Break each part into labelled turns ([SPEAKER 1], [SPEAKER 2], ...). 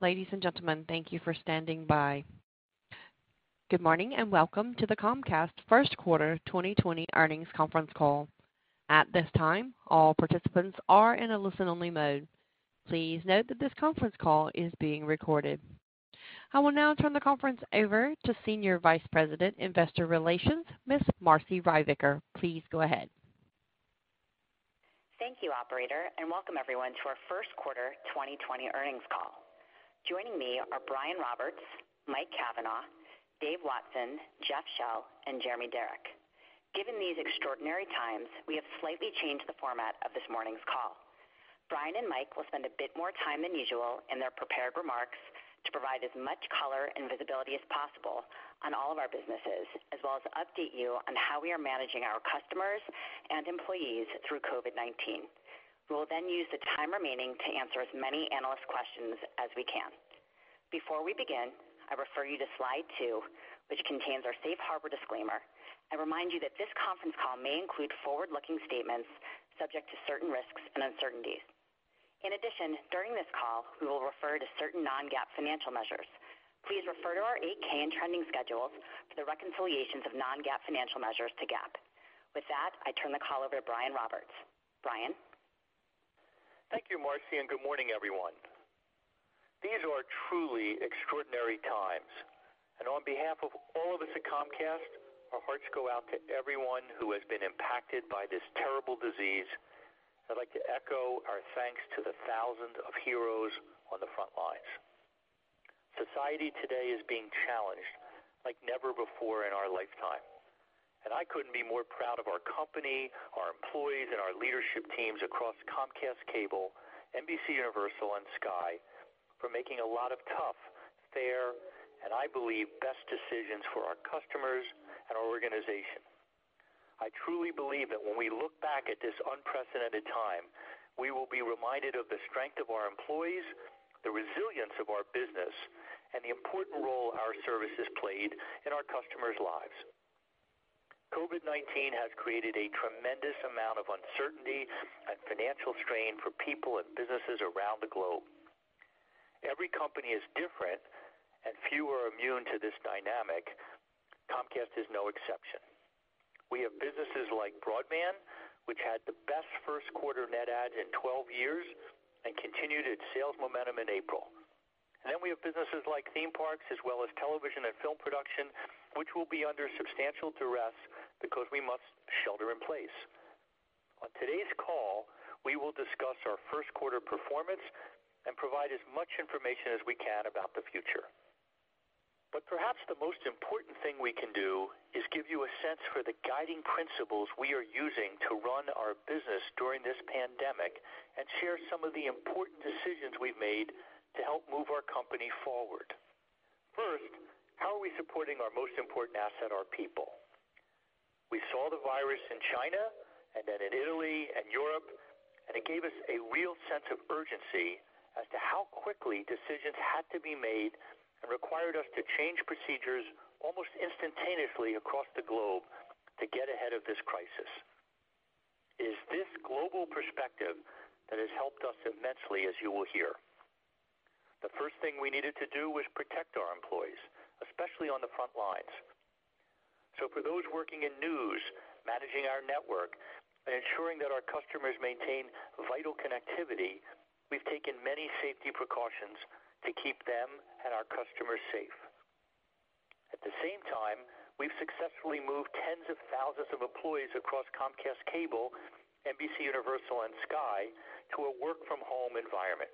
[SPEAKER 1] Ladies and gentlemen, thank you for standing by. Good morning, and welcome to the Comcast first quarter 2020 earnings conference call. At this time, all participants are in a listen-only mode. Please note that this conference call is being recorded. I will now turn the conference over to Senior Vice President, Investor Relations, Ms. Marci Ryvicker. Please go ahead.
[SPEAKER 2] Thank you, operator, and welcome everyone to our first quarter 2020 earnings call. Joining me are Brian Roberts, Mike Cavanagh, Dave Watson, Jeff Shell, and Jeremy Darroch. Given these extraordinary times, we have slightly changed the format of this morning's call. Brian and Mike will spend a bit more time than usual in their prepared remarks to provide as much color and visibility as possible on all of our businesses, as well as update you on how we are managing our customers and employees through COVID-19. We will then use the time remaining to answer as many analyst questions as we can. Before we begin, I refer you to slide two, which contains our safe harbor disclaimer, and remind you that this conference call may include forward-looking statements subject to certain risks and uncertainties. In addition, during this call, we will refer to certain non-GAAP financial measures. Please refer to our 8-K and trending schedules for the reconciliations of non-GAAP financial measures to GAAP. With that, I turn the call over to Brian Roberts. Brian?
[SPEAKER 3] Thank you, Marci, and good morning, everyone. These are truly extraordinary times, and on behalf of all of us at Comcast, our hearts go out to everyone who has been impacted by this terrible disease. I'd like to echo our thanks to the thousands of heroes on the front lines. Society today is being challenged like never before in our lifetime, and I couldn't be more proud of our company, our employees, and our leadership teams across Comcast Cable, NBCUniversal, and Sky for making a lot of tough, fair, and I believe, best decisions for our customers and our organization. I truly believe that when we look back at this unprecedented time, we will be reminded of the strength of our employees, the resilience of our business, and the important role our services played in our customers' lives. COVID-19 has created a tremendous amount of uncertainty and financial strain for people and businesses around the globe. Every company is different, and few are immune to this dynamic. Comcast is no exception. We have businesses like broadband, which had the best first quarter net adds in 12 years and continued its sales momentum in April. Then we have businesses like theme parks as well as television and film production, which will be under substantial duress because we must shelter in place. On today's call, we will discuss our first quarter performance and provide as much information as we can about the future. Perhaps the most important thing we can do is give you a sense for the guiding principles we are using to run our business during this pandemic and share some of the important decisions we've made to help move our company forward. First, how are we supporting our most important asset, our people? We saw the virus in China and then in Italy and Europe, it gave us a real sense of urgency as to how quickly decisions had to be made and required us to change procedures almost instantaneously across the globe to get ahead of this crisis. It is this global perspective that has helped us immensely, as you will hear. The first thing we needed to do was protect our employees, especially on the front lines. For those working in news, managing our network, and ensuring that our customers maintain vital connectivity, we've taken many safety precautions to keep them and our customers safe. At the same time, we've successfully moved tens of thousands of employees across Comcast Cable, NBCUniversal, and Sky to a work-from-home environment.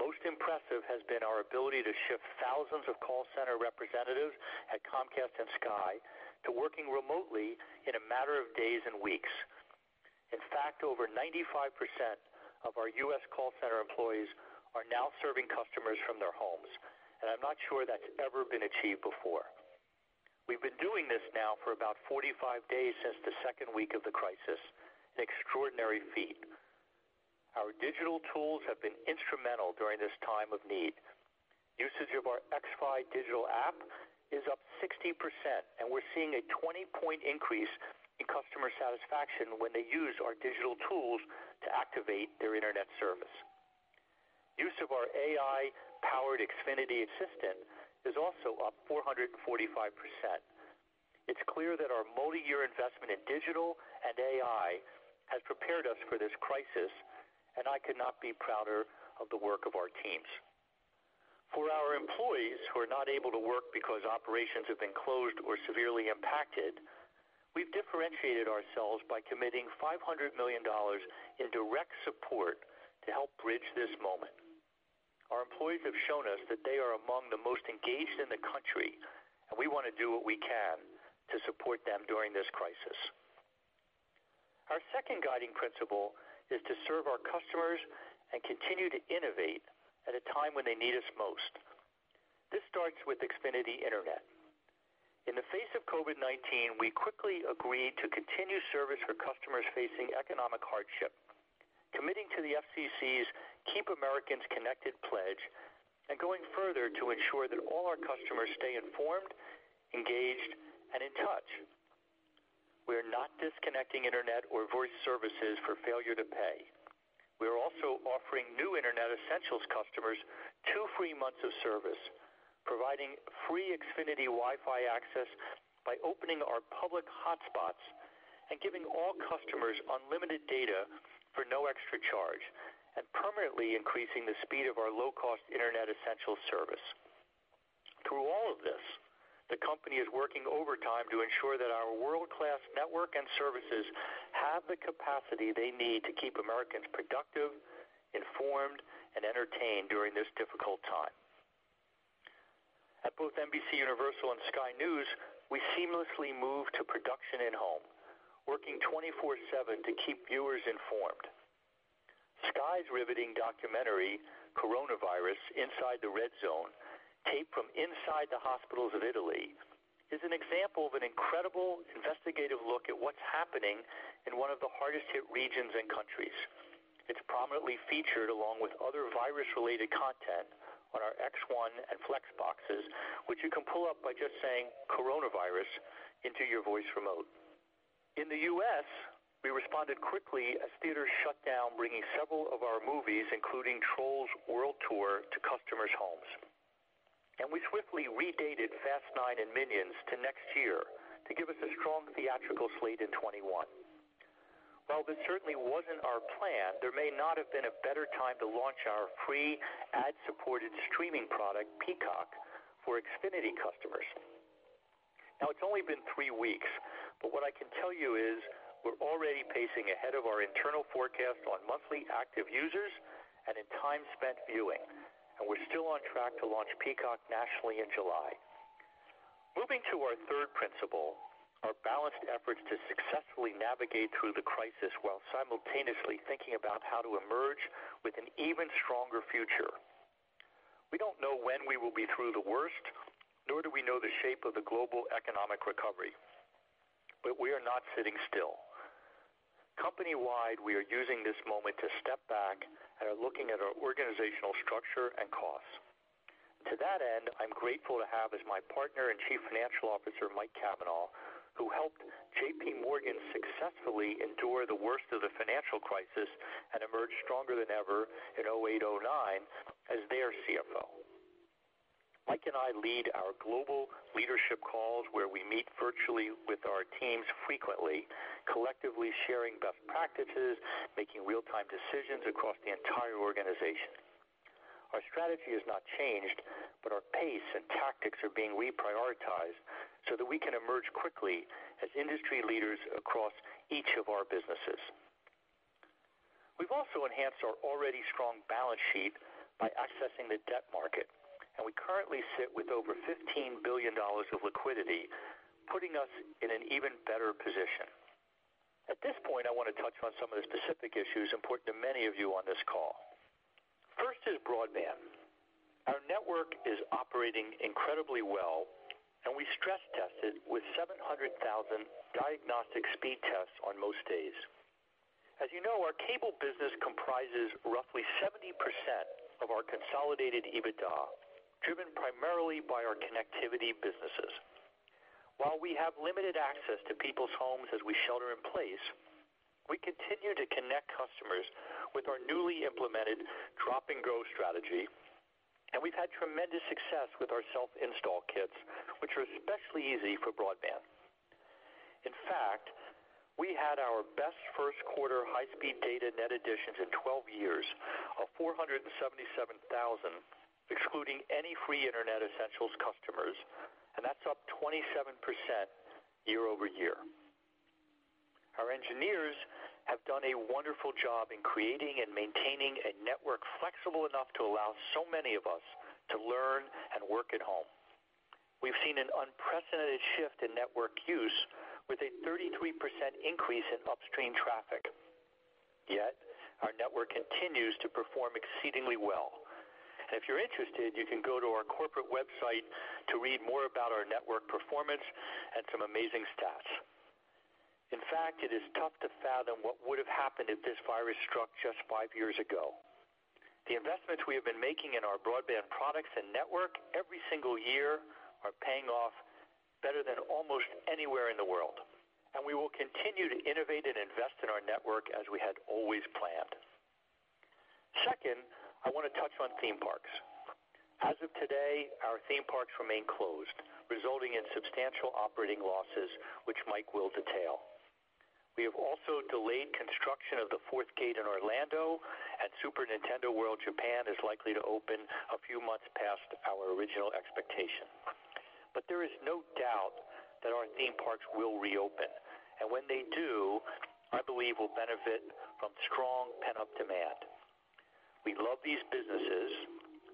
[SPEAKER 3] Most impressive has been our ability to shift thousands of call center representatives at Comcast and Sky to working remotely in a matter of days and weeks. In fact, over 95% of our U.S. call center employees are now serving customers from their homes, and I'm not sure that's ever been achieved before. We've been doing this now for about 45 days since the second week of the crisis, an extraordinary feat. Our digital tools have been instrumental during this time of need. Usage of our xFi digital app is up 60%, and we're seeing a 20-point increase in customer satisfaction when they use our digital tools to activate their internet service. Use of our AI-powered Xfinity Assistant is also up 445%. It's clear that our multi-year investment in digital and AI has prepared us for this crisis, and I could not be prouder of the work of our teams. For our employees who are not able to work because operations have been closed or severely impacted, we've differentiated ourselves by committing $500 million in direct support to help bridge this moment. Our employees have shown us that they are among the most engaged in the country, and we want to do what we can to support them during this crisis. Our second guiding principle is to serve our customers and continue to innovate at a time when they need us most. This starts with Xfinity Internet. In the face of COVID-19, we quickly agreed to continue service for customers facing economic hardship, committing to the FCC's Keep Americans Connected Pledge, and going further to ensure that all our customers stay informed, engaged, and in touch. We are not disconnecting internet or voice services for failure to pay. We are also offering new Internet Essentials customers two free months of service, providing free Xfinity Wi-Fi access by opening our public hotspots and giving all customers unlimited data for no extra charge, and permanently increasing the speed of our low-cost Internet Essentials service. Through all of this, the company is working overtime to ensure that our world-class network and services have the capacity they need to keep Americans productive, informed, and entertained during this difficult time. At both NBCUniversal and Sky News, we seamlessly moved to production in home, working 24/7 to keep viewers informed. Sky's riveting documentary, "Coronavirus: Inside the Red Zone," taped from inside the hospitals of Italy, is an example of an incredible investigative look at what's happening in one of the hardest hit regions and countries. It is prominently featured along with other virus-related content on our X1 and Flex boxes, which you can pull up by just saying "coronavirus" into your voice remote. In the U.S., we responded quickly as theaters shut down, bringing several of our movies, including "Trolls World Tour," to customers' homes. We swiftly re-dated "Fast 9" and "Minions" to next year to give us a strong theatrical slate in 2021. While this certainly wasn't our plan, there may not have been a better time to launch our free ad-supported streaming product, Peacock, for Xfinity customers. It's only been three weeks, but what I can tell you is we're already pacing ahead of our internal forecast on monthly active users and in time spent viewing, and we're still on track to launch Peacock nationally in July. Moving to our third principle, our balanced efforts to successfully navigate through the crisis while simultaneously thinking about how to emerge with an even stronger future. We don't know when we will be through the worst, nor do we know the shape of the global economic recovery. We are not sitting still. Company-wide, we are using this moment to step back and are looking at our organizational structure and costs. To that end, I'm grateful to have as my partner and Chief Financial Officer, Mike Cavanagh, who helped JPMorgan successfully endure the worst of the financial crisis and emerge stronger than ever in 2008, 2009 as their CFO. Mike and I lead our global leadership calls where we meet virtually with our teams frequently, collectively sharing best practices, making real-time decisions across the entire organization. Our strategy has not changed, but our pace and tactics are being reprioritized so that we can emerge quickly as industry leaders across each of our businesses. We've also enhanced our already strong balance sheet by accessing the debt market, and we currently sit with over $15 billion of liquidity, putting us in an even better position. At this point, I want to touch on some of the specific issues important to many of you on this call. First is broadband. Our network is operating incredibly well, and we stress-tested with 700,000 diagnostic speed tests on most days. As you know, our cable business comprises roughly 70% of our consolidated EBITDA, driven primarily by our connectivity businesses. While we have limited access to people's homes as we shelter in place, we continue to connect customers with our newly implemented Drop and Go strategy, and we've had tremendous success with our Self-Install Kits, which are especially easy for broadband. In fact, we had our best first quarter high-speed data net additions in 12 years of 477,000, excluding any free Internet Essentials customers, and that's up 27% year-over-year. Our engineers have done a wonderful job in creating and maintaining a network flexible enough to allow so many of us to learn and work at home. We've seen an unprecedented shift in network use with a 33% increase in upstream traffic. Yet, our network continues to perform exceedingly well. If you're interested, you can go to our corporate website to read more about our network performance and some amazing stats. In fact, it is tough to fathom what would have happened if this virus struck just five years ago. The investments we have been making in our broadband products and network every single year are paying off better than almost anywhere in the world. We will continue to innovate and invest in our network as we had always planned. Second, I want to touch on theme parks. As of today, our theme parks remain closed, resulting in substantial operating losses, which Mike will detail. We have also delayed construction of the fourth gate in Orlando, and Super Nintendo World Japan is likely to open a few months past our original expectation. There is no doubt that our theme parks will reopen, and when they do, I believe we'll benefit from strong pent-up demand. We love these businesses.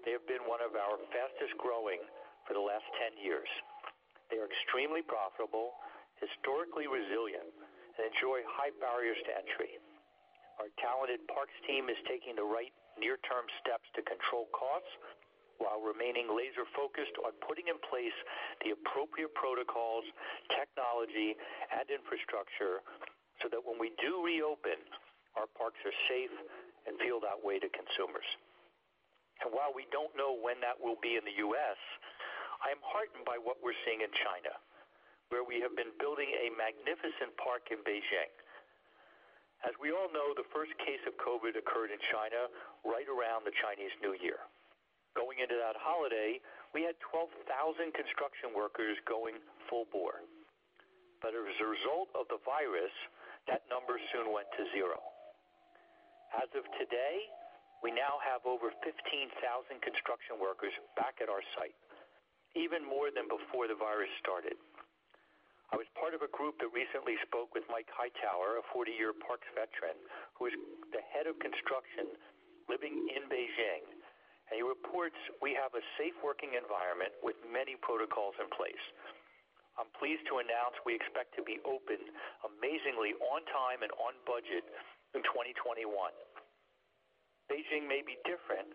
[SPEAKER 3] They have been one of our fastest-growing for the last 10 years. They are extremely profitable, historically resilient, and enjoy high barriers to entry. Our talented parks team is taking the right near-term steps to control costs while remaining laser-focused on putting in place the appropriate protocols, technology, and infrastructure. When we do reopen, our parks are safe and feel that way to consumers. While we don't know when that will be in the U.S., I am heartened by what we're seeing in China, where we have been building a magnificent park in Beijing. As we all know, the first case of COVID occurred in China right around the Chinese New Year. Going into that holiday, we had 12,000 construction workers going full bore. As a result of the virus, that number soon went to zero. As of today, we now have over 15,000 construction workers back at our site, even more than before the virus started. I was part of a group that recently spoke with Mike Hightower, a 40-year Parks veteran, who is the head of construction living in Beijing, and he reports we have a safe working environment with many protocols in place. I'm pleased to announce we expect to be open amazingly on time and on budget in 2021. Beijing may be different.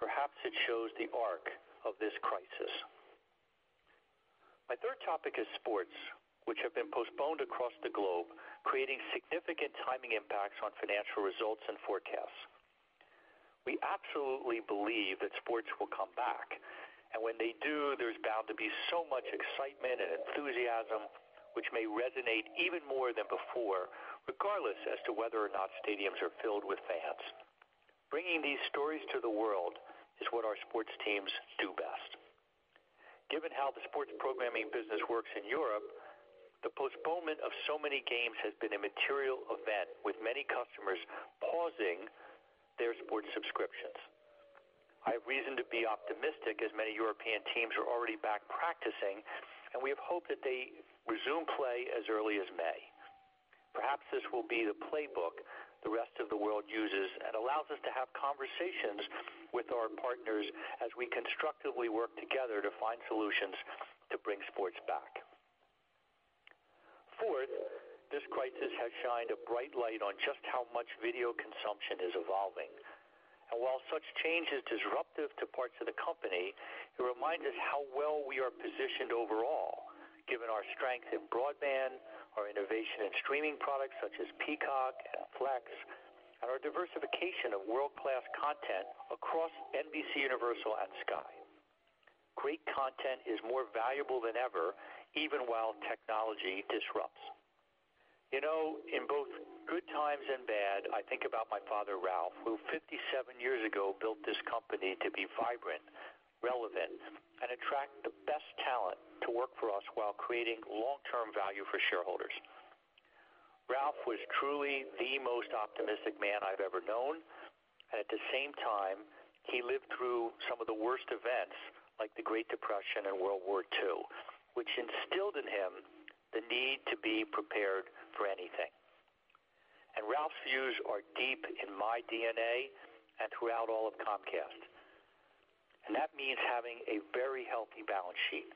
[SPEAKER 3] Perhaps it shows the arc of this crisis. My third topic is sports, which have been postponed across the globe, creating significant timing impacts on financial results and forecasts. We absolutely believe that sports will come back, and when they do, there's bound to be so much excitement and enthusiasm, which may resonate even more than before, regardless as to whether or not stadiums are filled with fans. Bringing these stories to the world is what our sports teams do best. Given how the sports programming business works in Europe, the postponement of so many games has been a material event, with many customers pausing their sports subscriptions. I have reason to be optimistic as many European teams are already back practicing, and we have hope that they resume play as early as May. Perhaps this will be the playbook the rest of the world uses and allows us to have conversations with our partners as we constructively work together to find solutions to bring sports back. Fourth, this crisis has shined a bright light on just how much video consumption is evolving. While such change is disruptive to parts of the company, it reminds us how well we are positioned overall, given our strength in broadband, our innovation in streaming products such as Peacock and Flex, and our diversification of world-class content across NBCUniversal and Sky. Great content is more valuable than ever, even while technology disrupts. In both good times and bad, I think about my father, Ralph, who 57 years ago built this company to be vibrant, relevant, and attract the best talent to work for us while creating long-term value for shareholders. Ralph was truly the most optimistic man I've ever known. At the same time, he lived through some of the worst events, like the Great Depression and World War II, which instilled in him the need to be prepared for anything. Ralph's views are deep in my DNA and throughout all of Comcast. That means having a very healthy balance sheet,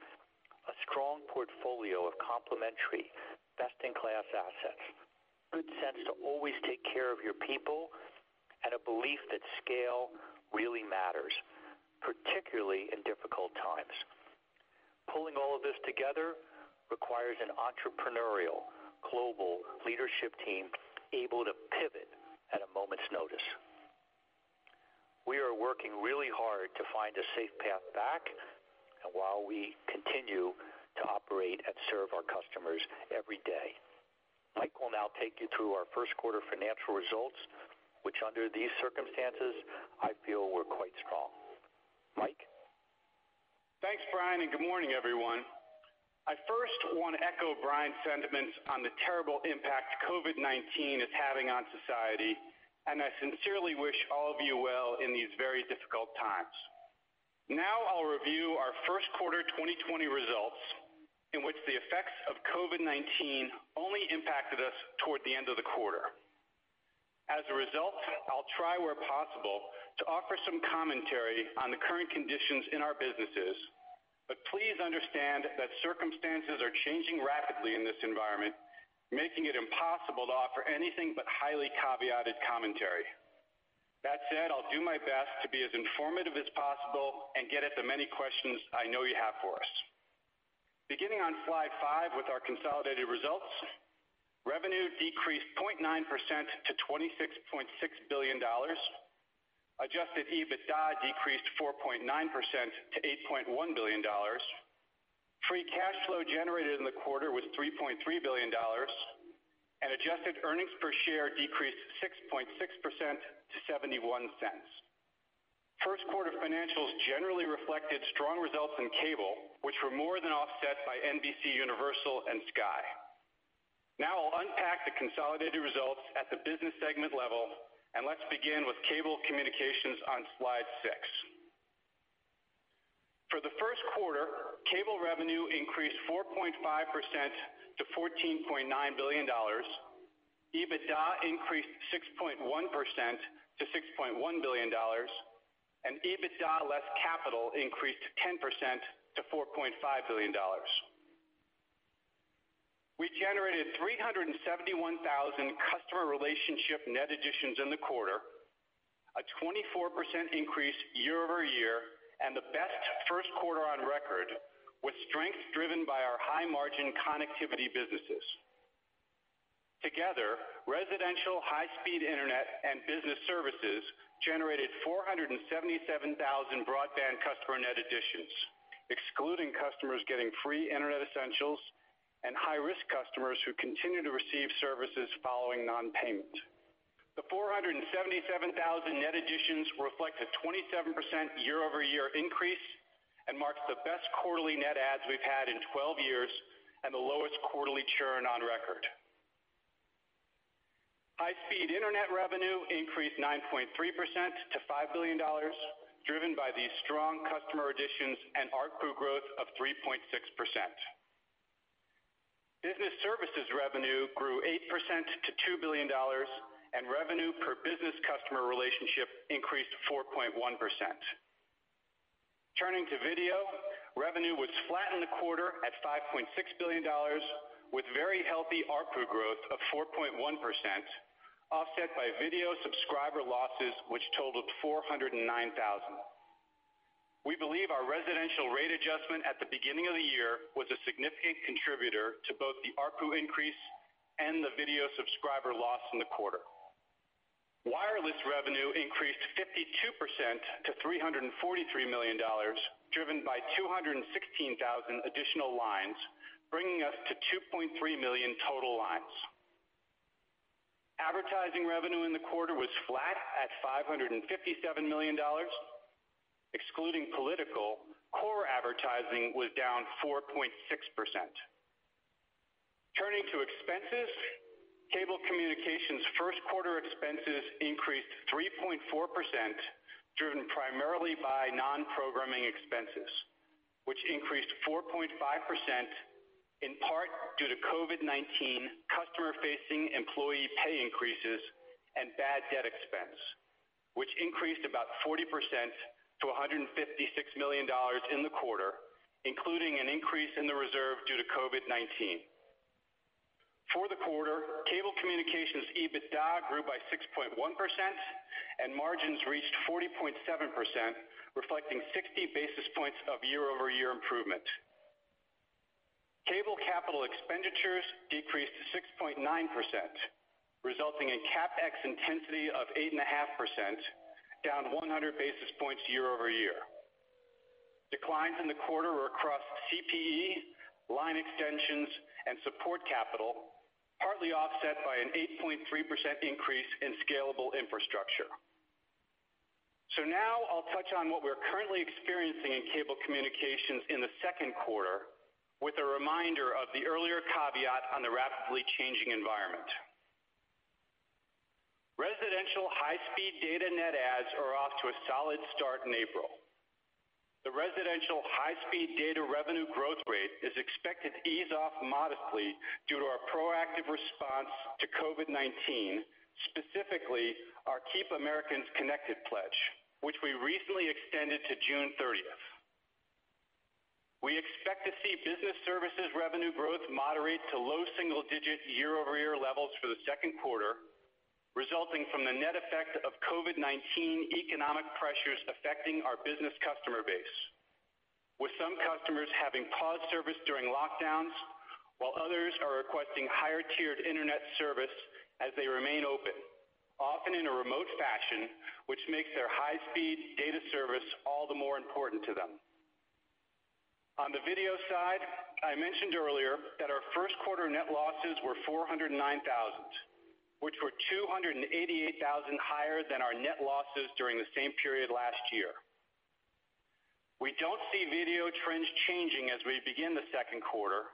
[SPEAKER 3] a strong portfolio of complementary best-in-class assets, good sense to always take care of your people, and a belief that scale really matters, particularly in difficult times. Pulling all of this together requires an entrepreneurial global leadership team able to pivot at a moment's notice. We are working really hard to find a safe path back and while we continue to operate and serve our customers every day. Mike will now take you through our first quarter financial results, which under these circumstances, I feel were quite strong. Mike?
[SPEAKER 4] Thanks, Brian, and good morning, everyone. I first want to echo Brian's sentiments on the terrible impact COVID-19 is having on society, and I sincerely wish all of you well in these very difficult times. Now I'll review our first quarter 2020 results in which the effects of COVID-19 only impacted us toward the end of the quarter. As a result, I'll try where possible to offer some commentary on the current conditions in our businesses. Please understand that circumstances are changing rapidly in this environment, making it impossible to offer anything but highly caveated commentary. That said, I'll do my best to be as informative as possible and get at the many questions I know you have for us. Beginning on slide five with our consolidated results, revenue decreased 0.9% to $26.6 billion. Adjusted EBITDA decreased 4.9% to $8.1 billion. Free cash flow generated in the quarter was $3.3 billion. Adjusted earnings per share decreased 6.6% to $0.71. First quarter financials generally reflected strong results in Cable, which were more than offset by NBCUniversal and Sky. Now I'll unpack the consolidated results at the business segment level, and let's begin with Cable Communications on slide six. For the first quarter, Cable revenue increased 4.5% to $14.9 billion. EBITDA increased 6.1% to $6.1 billion, and EBITDA less CapEx increased 10% to $4.5 billion. We generated 371,000 customer relationship net additions in the quarter. A 24% increase year-over-year and the best first quarter on record, with strength driven by our high-margin connectivity businesses. Together, residential high-speed internet and business services generated 477,000 broadband customer net additions, excluding customers getting free Internet Essentials and high-risk customers who continue to receive services following non-payment. The 477,000 net additions reflect a 27% year-over-year increase and marks the best quarterly net adds we've had in 12 years, and the lowest quarterly churn on record. High-speed internet revenue increased 9.3% to $5 billion, driven by the strong customer additions and ARPU growth of 3.6%. Business services revenue grew 8% to $2 billion, and revenue per business customer relationship increased 4.1%. Turning to video, revenue was flat in the quarter at $5.6 billion, with very healthy ARPU growth of 4.1%, offset by video subscriber losses, which totaled 409,000. We believe our residential rate adjustment at the beginning of the year was a significant contributor to both the ARPU increase and the video subscriber loss in the quarter. Wireless revenue increased 52% to $343 million, driven by 216,000 additional lines, bringing us to 2.3 million total lines. Advertising revenue in the quarter was flat at $557 million. Excluding political, core advertising was down 4.6%. Turning to expenses, Cable Communications first quarter expenses increased 3.4%, driven primarily by non-programming expenses, which increased 4.5%, in part due to COVID-19 customer-facing employee pay increases and bad debt expense, which increased about 40% to $156 million in the quarter, including an increase in the reserve due to COVID-19. For the quarter, Cable Communications EBITDA grew by 6.1%, and margins reached 40.7%, reflecting 60 basis points of year-over-year improvement. Cable capital expenditures decreased to 6.9%, resulting in CapEx intensity of 8.5%, down 100 basis points year-over-year. Declines in the quarter were across CPE, line extensions, and support capital, partly offset by an 8.3% increase in scalable infrastructure. Now I'll touch on what we're currently experiencing in Cable Communications in the second quarter with a reminder of the earlier caveat on the rapidly changing environment. Residential high-speed data net adds are off to a solid start in April. The residential high-speed data revenue growth rate is expected to ease off modestly due to our proactive response to COVID-19, specifically our Keep Americans Connected pledge, which we recently extended to June 30th. We expect to see business services revenue growth moderate to low single-digit year-over-year levels for the second quarter, resulting from the net effect of COVID-19 economic pressures affecting our business customer base, with some customers having paused service during lockdowns, while others are requesting higher tiered internet service as they remain open, often in a remote fashion, which makes their high-speed data service all the more important to them. On the video side, I mentioned earlier that our first quarter net losses were 409,000, which were 288,000 higher than our net losses during the same period last year. We don't see video trends changing as we begin the second quarter,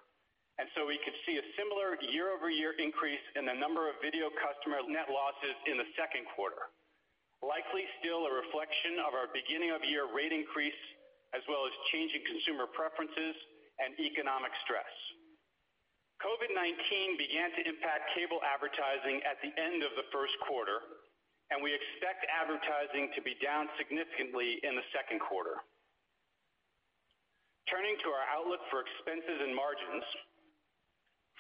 [SPEAKER 4] and so we could see a similar year-over-year increase in the number of video customer net losses in the second quarter. Likely still a reflection of our beginning of year rate increase, as well as changing consumer preferences and economic stress. COVID-19 began to impact cable advertising at the end of the first quarter, and we expect advertising to be down significantly in the second quarter. Turning to our outlook for expenses and margins.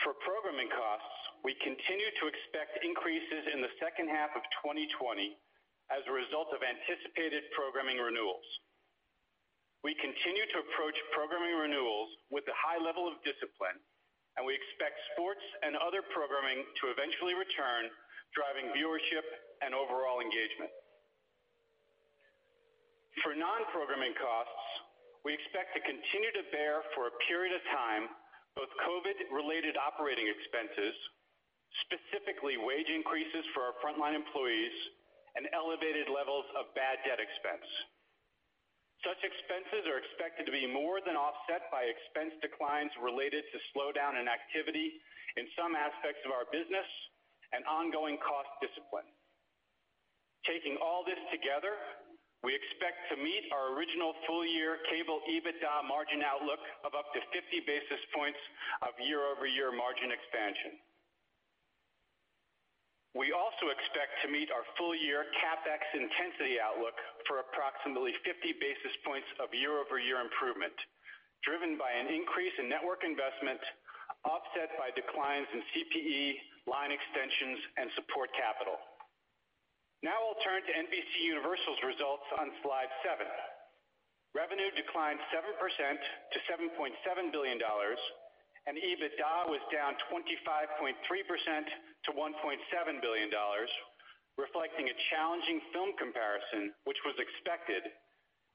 [SPEAKER 4] For programming costs, we continue to expect increases in the second half of 2020 as a result of anticipated programming renewals. We continue to approach programming renewals with a high level of discipline, and we expect sports and other programming to eventually return, driving viewership and overall engagement. For non-programming costs, we expect to continue to bear for a period of time both COVID-related operating expenses, specifically wage increases for our frontline employees, and elevated levels of bad debt expense. Such expenses are expected to be more than offset by expense declines related to slowdown in activity in some aspects of our business and ongoing cost discipline. Taking all this together, we expect to meet our original full-year cable EBITDA margin outlook of up to 50 basis points of year-over-year margin expansion. We also expect to meet our full-year CapEx intensity outlook for approximately 50 basis points of year-over-year improvement, driven by an increase in network investment, offset by declines in CPE, line extensions, and support capital. Now I'll turn to NBCUniversal's results on slide seven. Revenue declined 7% to $7.7 billion, and EBITDA was down 25.3% to $1.7 billion, reflecting a challenging film comparison, which was expected,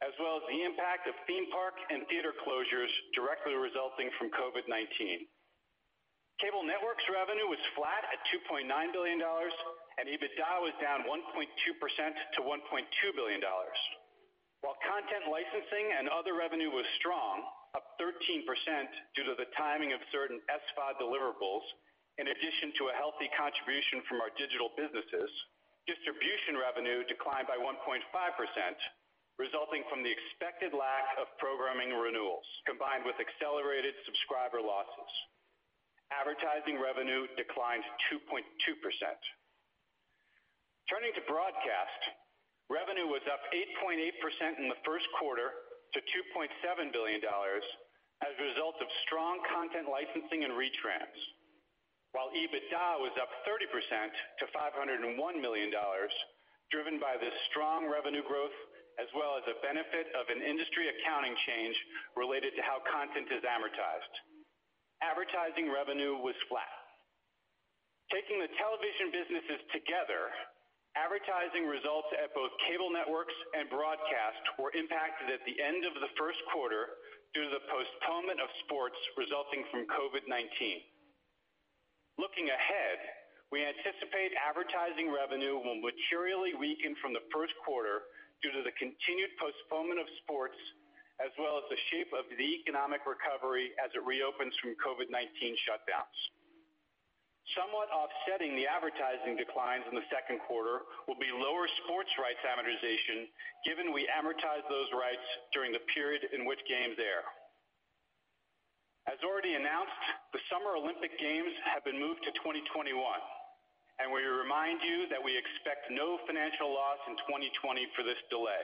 [SPEAKER 4] as well as the impact of theme park and theater closures directly resulting from COVID-19. Cable networks revenue was flat at $2.9 billion, and EBITDA was down 1.2% to $1.2 billion. While content licensing and other revenue was strong, up 13% due to the timing of certain SVOD deliverables, in addition to a healthy contribution from our digital businesses, distribution revenue declined by 1.5%, resulting from the expected lack of programming renewals, combined with accelerated subscriber losses. Advertising revenue declined 2.2%. Turning to broadcast, revenue was up 8.8% in the first quarter to $2.7 billion as a result of strong content licensing and retrans. While EBITDA was up 30% to $501 million, driven by the strong revenue growth, as well as the benefit of an industry accounting change related to how content is amortized. Advertising revenue was flat. Taking the television businesses together, advertising results at both cable networks and broadcast were impacted at the end of the first quarter due to the postponement of sports resulting from COVID-19. Looking ahead, we anticipate advertising revenue will materially weaken from the first quarter due to the continued postponement of sports, as well as the shape of the economic recovery as it reopens from COVID-19 shutdowns. Somewhat offsetting the advertising declines in the second quarter will be lower sports rights amortization, given we amortize those rights during the period in which games air. As already announced, the Summer Olympic Games have been moved to 2021, and we remind you that we expect no financial loss in 2020 for this delay.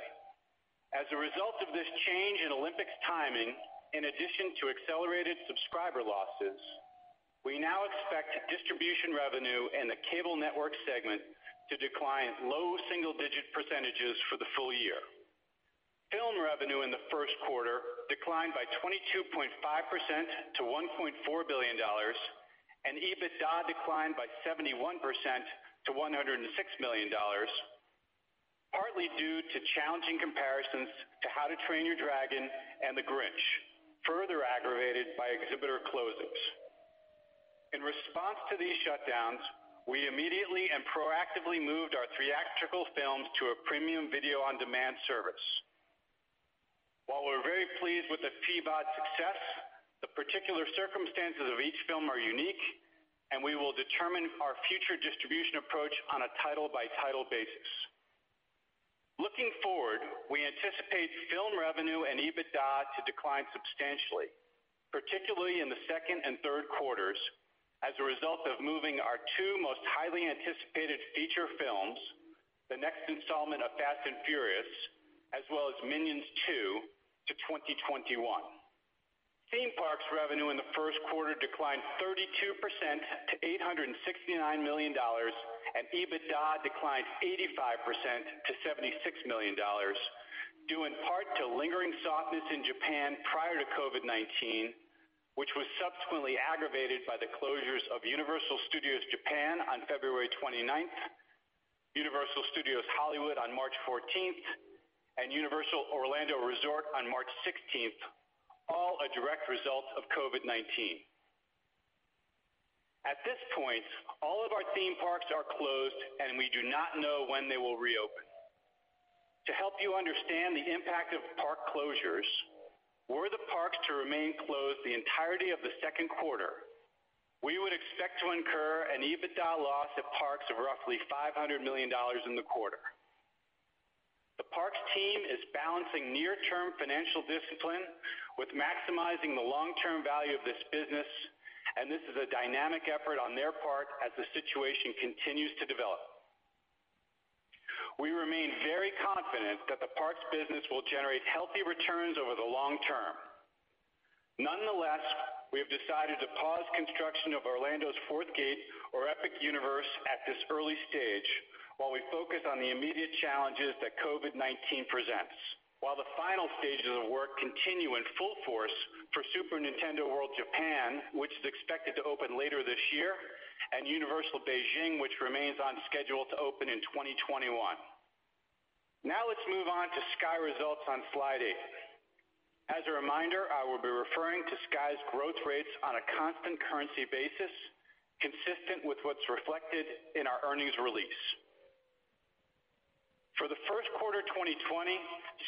[SPEAKER 4] As a result of this change in Olympics timing, in addition to accelerated subscriber losses, we now expect distribution revenue in the cable network segment to decline low single-digit percentages for the full year. Film revenue in the first quarter declined by 22.5% to $1.4 billion, and EBITDA declined by 71% to $106 million, partly due to challenging comparisons to "How to Train Your Dragon" and "The Grinch", further aggravated by exhibitor closings. In response to these shutdowns, we immediately and proactively moved our three theatrical films to a premium video-on-demand service. While we're very pleased with the PVOD success, the particular circumstances of each film are unique and we will determine our future distribution approach on a title-by-title basis. Looking forward, we anticipate film revenue and EBITDA to decline substantially, particularly in the second and third quarters, as a result of moving our two most highly anticipated feature films, the next installment of Fast & Furious, as well as Minions 2, to 2021. Theme parks revenue in the first quarter declined 32% to $869 million and EBITDA declined 85% to $76 million, due in part to lingering softness in Japan prior to COVID-19, which was subsequently aggravated by the closures of Universal Studios Japan on February 29th, Universal Studios Hollywood on March 14th, and Universal Orlando Resort on March 16th, all a direct result of COVID-19. At this point, all of our theme parks are closed, and we do not know when they will reopen. To help you understand the impact of park closures, were the parks to remain closed the entirety of the second quarter, we would expect to incur an EBITDA loss at parks of roughly $500 million in the quarter. The parks team is balancing near-term financial discipline with maximizing the long-term value of this business, and this is a dynamic effort on their part as the situation continues to develop. We remain very confident that the parks business will generate healthy returns over the long term. Nonetheless, we have decided to pause construction of Orlando's fourth gate or Epic Universe at this early stage while we focus on the immediate challenges that COVID-19 presents. While the final stages of work continue in full force for Super Nintendo World Japan, which is expected to open later this year, and Universal Beijing, which remains on schedule to open in 2021. Let's move on to Sky results on slide eight. As a reminder, I will be referring to Sky's growth rates on a constant currency basis, consistent with what's reflected in our earnings release. For the first quarter 2020,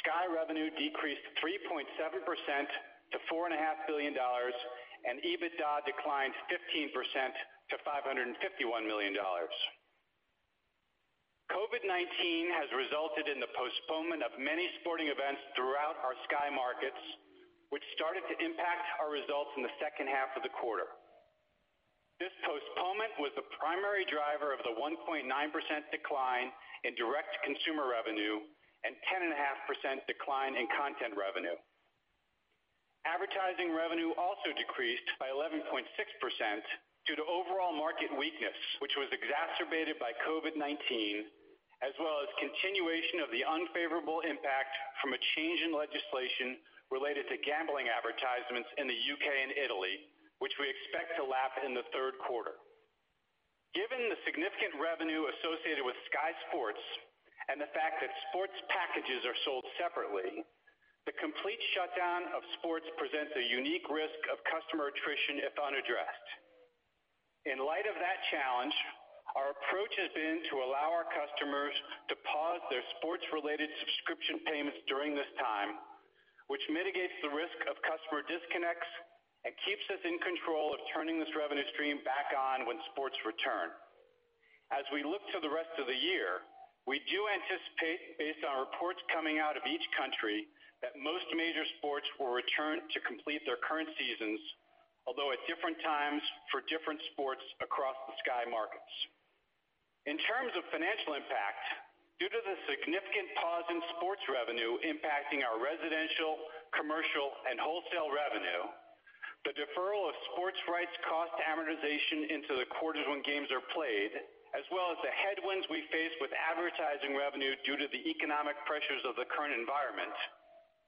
[SPEAKER 4] Sky revenue decreased 3.7% to $4.5 billion and EBITDA declined 15% to $551 million. COVID-19 has resulted in the postponement of many sporting events throughout our Sky markets, which started to impact our results in the second half of the quarter. This postponement was the primary driver of the 1.9% decline in direct consumer revenue and 10.5% decline in content revenue. Advertising revenue also decreased by 11.6% due to overall market weakness, which was exacerbated by COVID-19, as well as continuation of the unfavorable impact from a change in legislation related to gambling advertisements in the U.K. and Italy, which we expect to lap in the third quarter. Given the significant revenue associated with Sky Sports and the fact that sports packages are sold separately, the complete shutdown of sports presents a unique risk of customer attrition if unaddressed. In light of that challenge, our approach has been to allow our customers to pause their sports-related subscription payments during this time, which mitigates the risk of customer disconnects and keeps us in control of turning this revenue stream back on when sports return. As we look to the rest of the year, we do anticipate, based on reports coming out of each country, that most major sports will return to complete their current seasons, although at different times for different sports across the Sky markets. In terms of financial impact, due to the significant pause in sports revenue impacting our residential, commercial, and wholesale revenue, the deferral of sports rights cost amortization into the quarters when games are played, as well as the headwinds we face with advertising revenue due to the economic pressures of the current environment,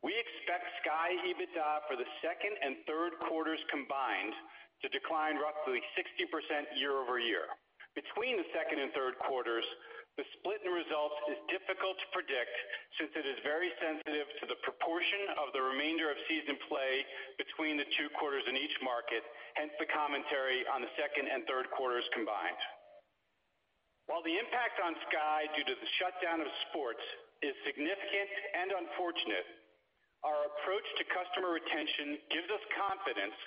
[SPEAKER 4] we expect Sky EBITDA for the second and third quarters combined to decline roughly 60% year-over-year. Between the second and third quarters, the split in results is difficult to predict since it is very sensitive to the proportion of the remainder of season play between the two quarters in each market, hence the commentary on the second and third quarters combined. While the impact on Sky due to the shutdown of sports is significant and unfortunate, our approach to customer retention gives us confidence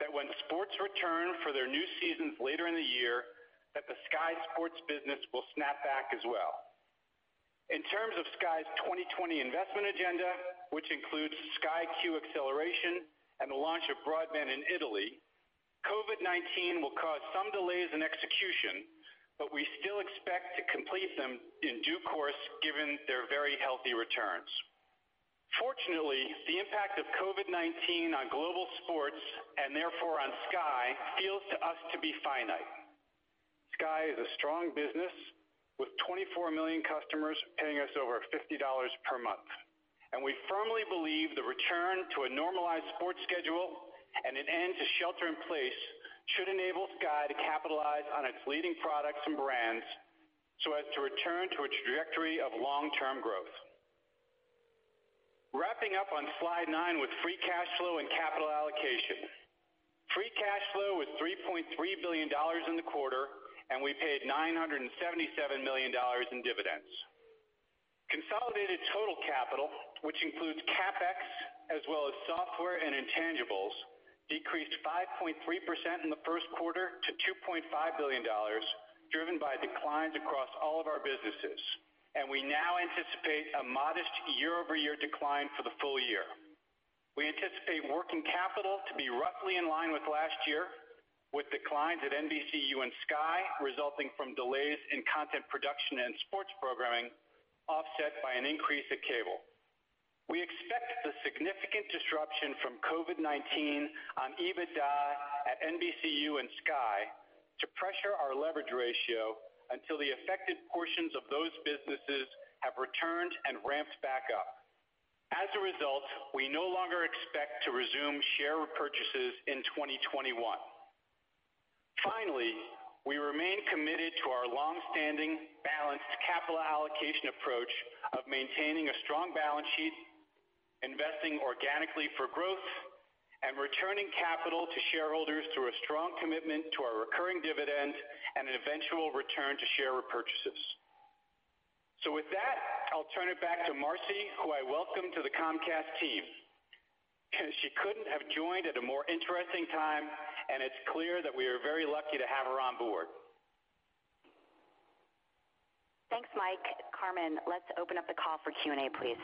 [SPEAKER 4] that when sports return for their new seasons later in the year, that the Sky Sports business will snap back as well. In terms of Sky's 2020 investment agenda, which includes Sky Q acceleration and the launch of broadband in Italy, COVID-19 will cause some delays in execution, but we still expect to complete them in due course given their very healthy returns. Fortunately, the impact of COVID-19 on global sports, and therefore on Sky, feels to us to be finite. Sky is a strong business with 24 million customers paying us over $50 per month. We firmly believe the return to a normalized sports schedule and an end to shelter in place should enable Sky to capitalize on its leading products and brands so as to return to a trajectory of long-term growth. Wrapping up on slide nine with free cash flow and capital allocation. Free cash flow was $3.3 billion in the quarter, and we paid $977 million in dividends. Consolidated total capital, which includes CapEx as well as software and intangibles, decreased 5.3% in the first quarter to $2.5 billion, driven by declines across all of our businesses. We now anticipate a modest year-over-year decline for the full year. We anticipate working capital to be roughly in line with last year, with declines at NBCU and Sky resulting from delays in content production and sports programming offset by an increase at Cable. We expect the significant disruption from COVID-19 on EBITDA at NBCU and Sky to pressure our leverage ratio until the affected portions of those businesses have returned and ramped back up. As a result, we no longer expect to resume share repurchases in 2021. Finally, we remain committed to our longstanding balanced capital allocation approach of maintaining a strong balance sheet, investing organically for growth, and returning capital to shareholders through a strong commitment to our recurring dividend and an eventual return to share repurchases. With that, I'll turn it back to Marci, who I welcome to the Comcast team. She couldn't have joined at a more interesting time, and it's clear that we are very lucky to have her on board.
[SPEAKER 2] Thanks, Mike. Carmen, let's open up the call for Q&A, please.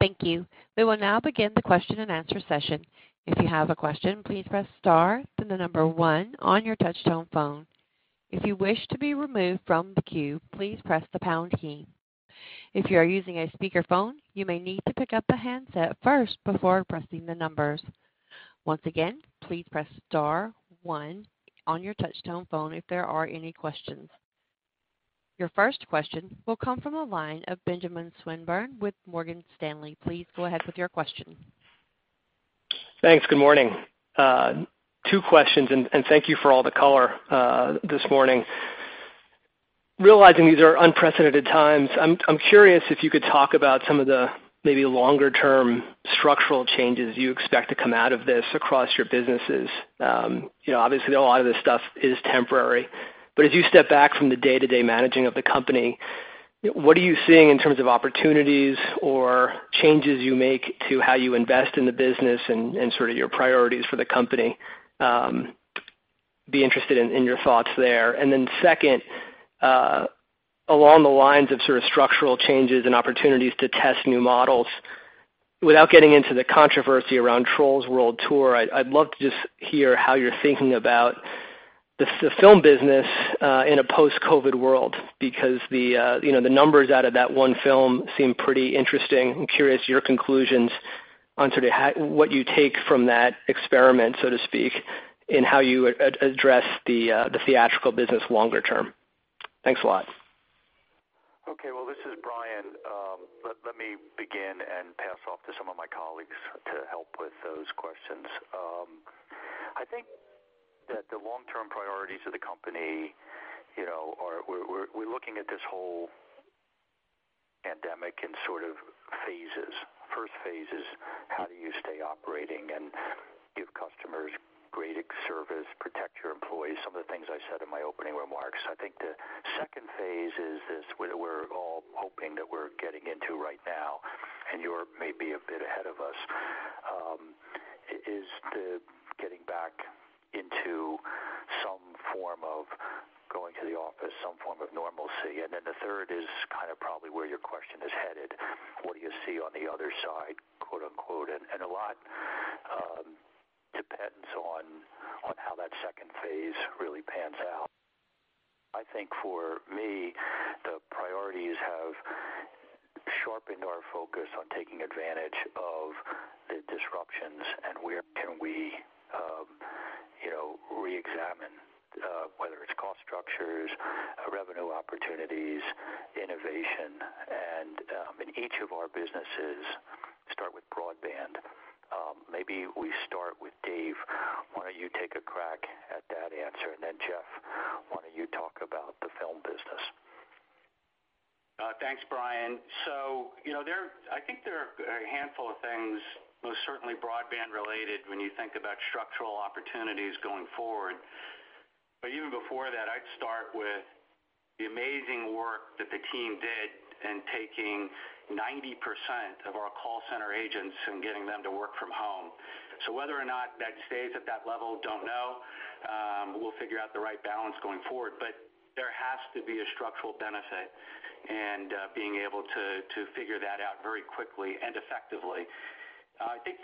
[SPEAKER 1] Thank you. We will now begin the question and answer session. If you have a question, please press star, then the number one on your touch-tone phone. If you wish to be removed from the queue, please press the pound key. If you are using a speakerphone, you may need to pick up the handset first before pressing the numbers. Once again, please press star one on your touch-tone phone if there are any questions. Your first question will come from the line of Benjamin Swinburne with Morgan Stanley. Please go ahead with your question.
[SPEAKER 5] Thanks. Good morning. Two questions. Thank you for all the color this morning. Realizing these are unprecedented times, I'm curious if you could talk about some of the maybe longer-term structural changes you expect to come out of this across your businesses. Obviously, a lot of this stuff is temporary. As you step back from the day-to-day managing of the company, what are you seeing in terms of opportunities or changes you make to how you invest in the business and sort of your priorities for the company? Be interested in your thoughts there. Second, along the lines of sort of structural changes and opportunities to test new models. Without getting into the controversy around Trolls World Tour, I'd love to just hear how you're thinking about the film business in a post-COVID world, because the numbers out of that one film seem pretty interesting. I'm curious your conclusions on what you take from that experiment, so to speak, in how you address the theatrical business longer term. Thanks a lot.
[SPEAKER 3] Okay. Well, this is Brian. Let me begin and pass off to some of my colleagues to help with those questions. I think that the long-term priorities of the company are we're looking at this whole pandemic in phases. First phase is how do you stay operating and give customers great service, protect your employees, some of the things I said in my opening remarks. I think the second phase is this, we're all hoping that we're getting into right now, and you're maybe a bit ahead of us, is the getting back into some form of going to the office, some form of normalcy. The third is probably where your question is headed, what do you see on the "other side," quote unquote. A lot depends on how that second phase really pans out. I think for me, the priorities have sharpened our focus on taking advantage of the disruptions and where can we reexamine whether it's cost structures, revenue opportunities, innovation, and in each of our businesses, start with broadband. Maybe we start with Dave. Why don't you take a crack at that answer? Then Jeff, why don't you talk about the film business?
[SPEAKER 6] Thanks, Brian. I think there are a handful of things, most certainly broadband related when you think about structural opportunities going forward. Even before that, I'd start with the amazing work that the team did in taking 90% of our call center agents and getting them to work from home. Whether or not that stays at that level, don't know. We'll figure out the right balance going forward, but there has to be a structural benefit and being able to figure that out very quickly and effectively.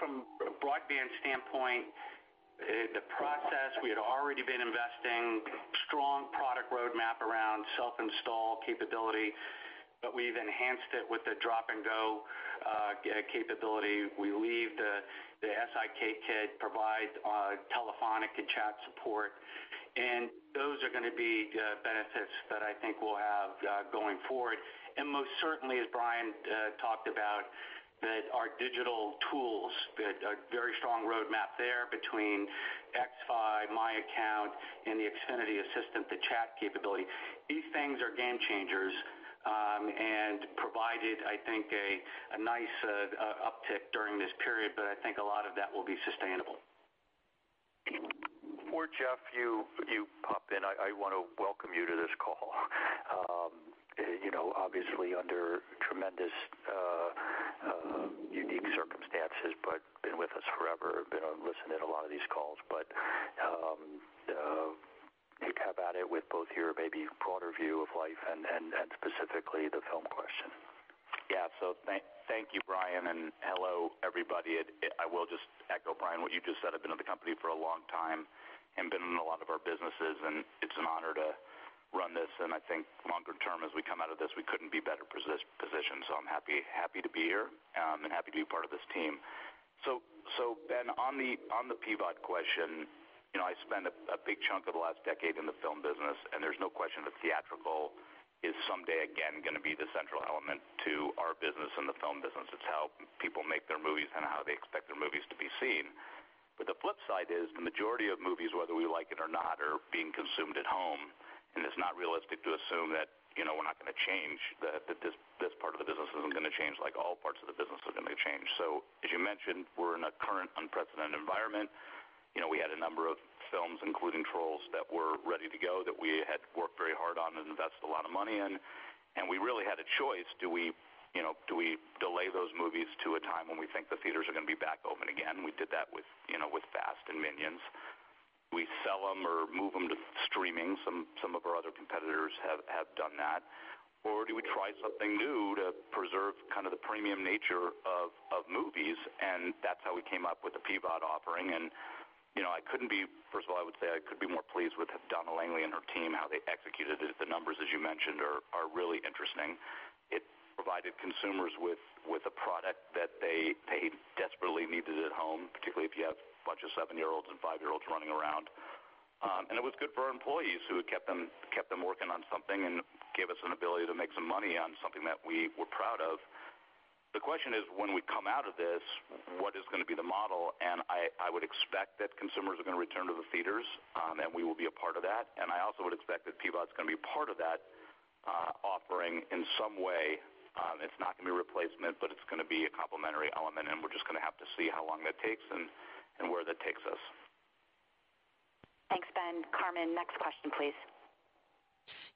[SPEAKER 6] From a broadband standpoint, the process we had already been investing, strong product roadmap around self-install capability, but we've enhanced it with the Drop and Go capability. We leave the SIK kit, provide telephonic and chat support, and those are going to be benefits that I think we'll have going forward. Most certainly, as Brian talked about, that our digital tools that are very strong roadmap there between xFi, My Account, and the Xfinity Assistant, the chat capability. These things are game changers and provided, I think, a nice uptick during this period, I think a lot of that will be sustainable.
[SPEAKER 3] Before Jeff, you pop in, I want to welcome you to this call. Obviously under tremendous unique circumstances, but been with us forever, been on listening a lot of these calls, but you have at it with both your maybe broader view of life and specifically the film question.
[SPEAKER 7] Thank you, Brian, and hello, everybody. I will just echo, Brian, what you just said. I've been at the company for a long time and been in a lot of our businesses, and it's an honor to run this. I think longer term as we come out of this, we couldn't be better positioned. I'm happy to be here and happy to be part of this team. Ben, on the PVOD question, I spent a big chunk of the last decade in the film business, and there's no question that theatrical is someday again going to be the central element to our business and the film business. It's how people make their movies and how they expect their movies to be seen. The flip side is the majority of movies, whether we like it or not, are being consumed at home, and it's not realistic to assume that we're not going to change, that this part of the business isn't going to change, like all parts of the business are going to change. As you mentioned, we're in a current unprecedented environment. We had a number of films, including Trolls, that were ready to go that we had worked very hard on and invested a lot of money in, and we really had a choice. Do we delay those movies to a time when we think the theaters are going to be back open again? We did that with Fast and Minions. Do we sell them or move them to streaming? Some of our other competitors have done that. Do we try something new to preserve the premium nature of movies? That's how we came up with the PVOD offering. First of all, I would say I couldn't be more pleased with Donna Langley and her team, how they executed it. The numbers, as you mentioned, are really interesting. It provided consumers with a product that they desperately needed at home, particularly if you have a bunch of seven-year-olds and five-year-olds running around. It was good for our employees who it kept them working on something and gave us an ability to make some money on something that we were proud of. The question is, when we come out of this, what is going to be the model? I would expect that consumers are going to return to the theaters, and we will be a part of that. I also would expect that PVOD is going to be part of that offering in some way. It is not going to be a replacement, but it is going to be a complementary element, and we are just going to have to see how long that takes and where that takes us.
[SPEAKER 2] Thanks, Ben. Carmen, next question, please.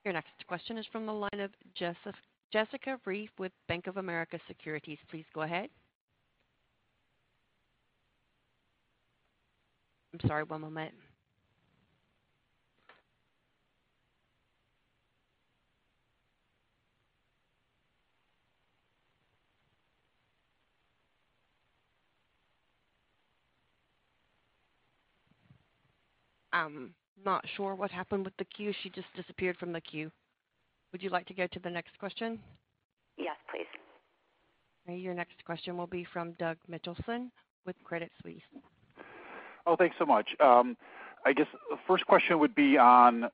[SPEAKER 1] Your next question is from the line of Jessica Reif with Bank of America Securities. Please go ahead. I'm sorry, one moment. I'm not sure what happened with the queue. She just disappeared from the queue. Would you like to go to the next question?
[SPEAKER 2] Yes, please.
[SPEAKER 1] Your next question will be from Doug Mitchelson with Credit Suisse.
[SPEAKER 8] Oh, thanks so much. I guess the first question would be on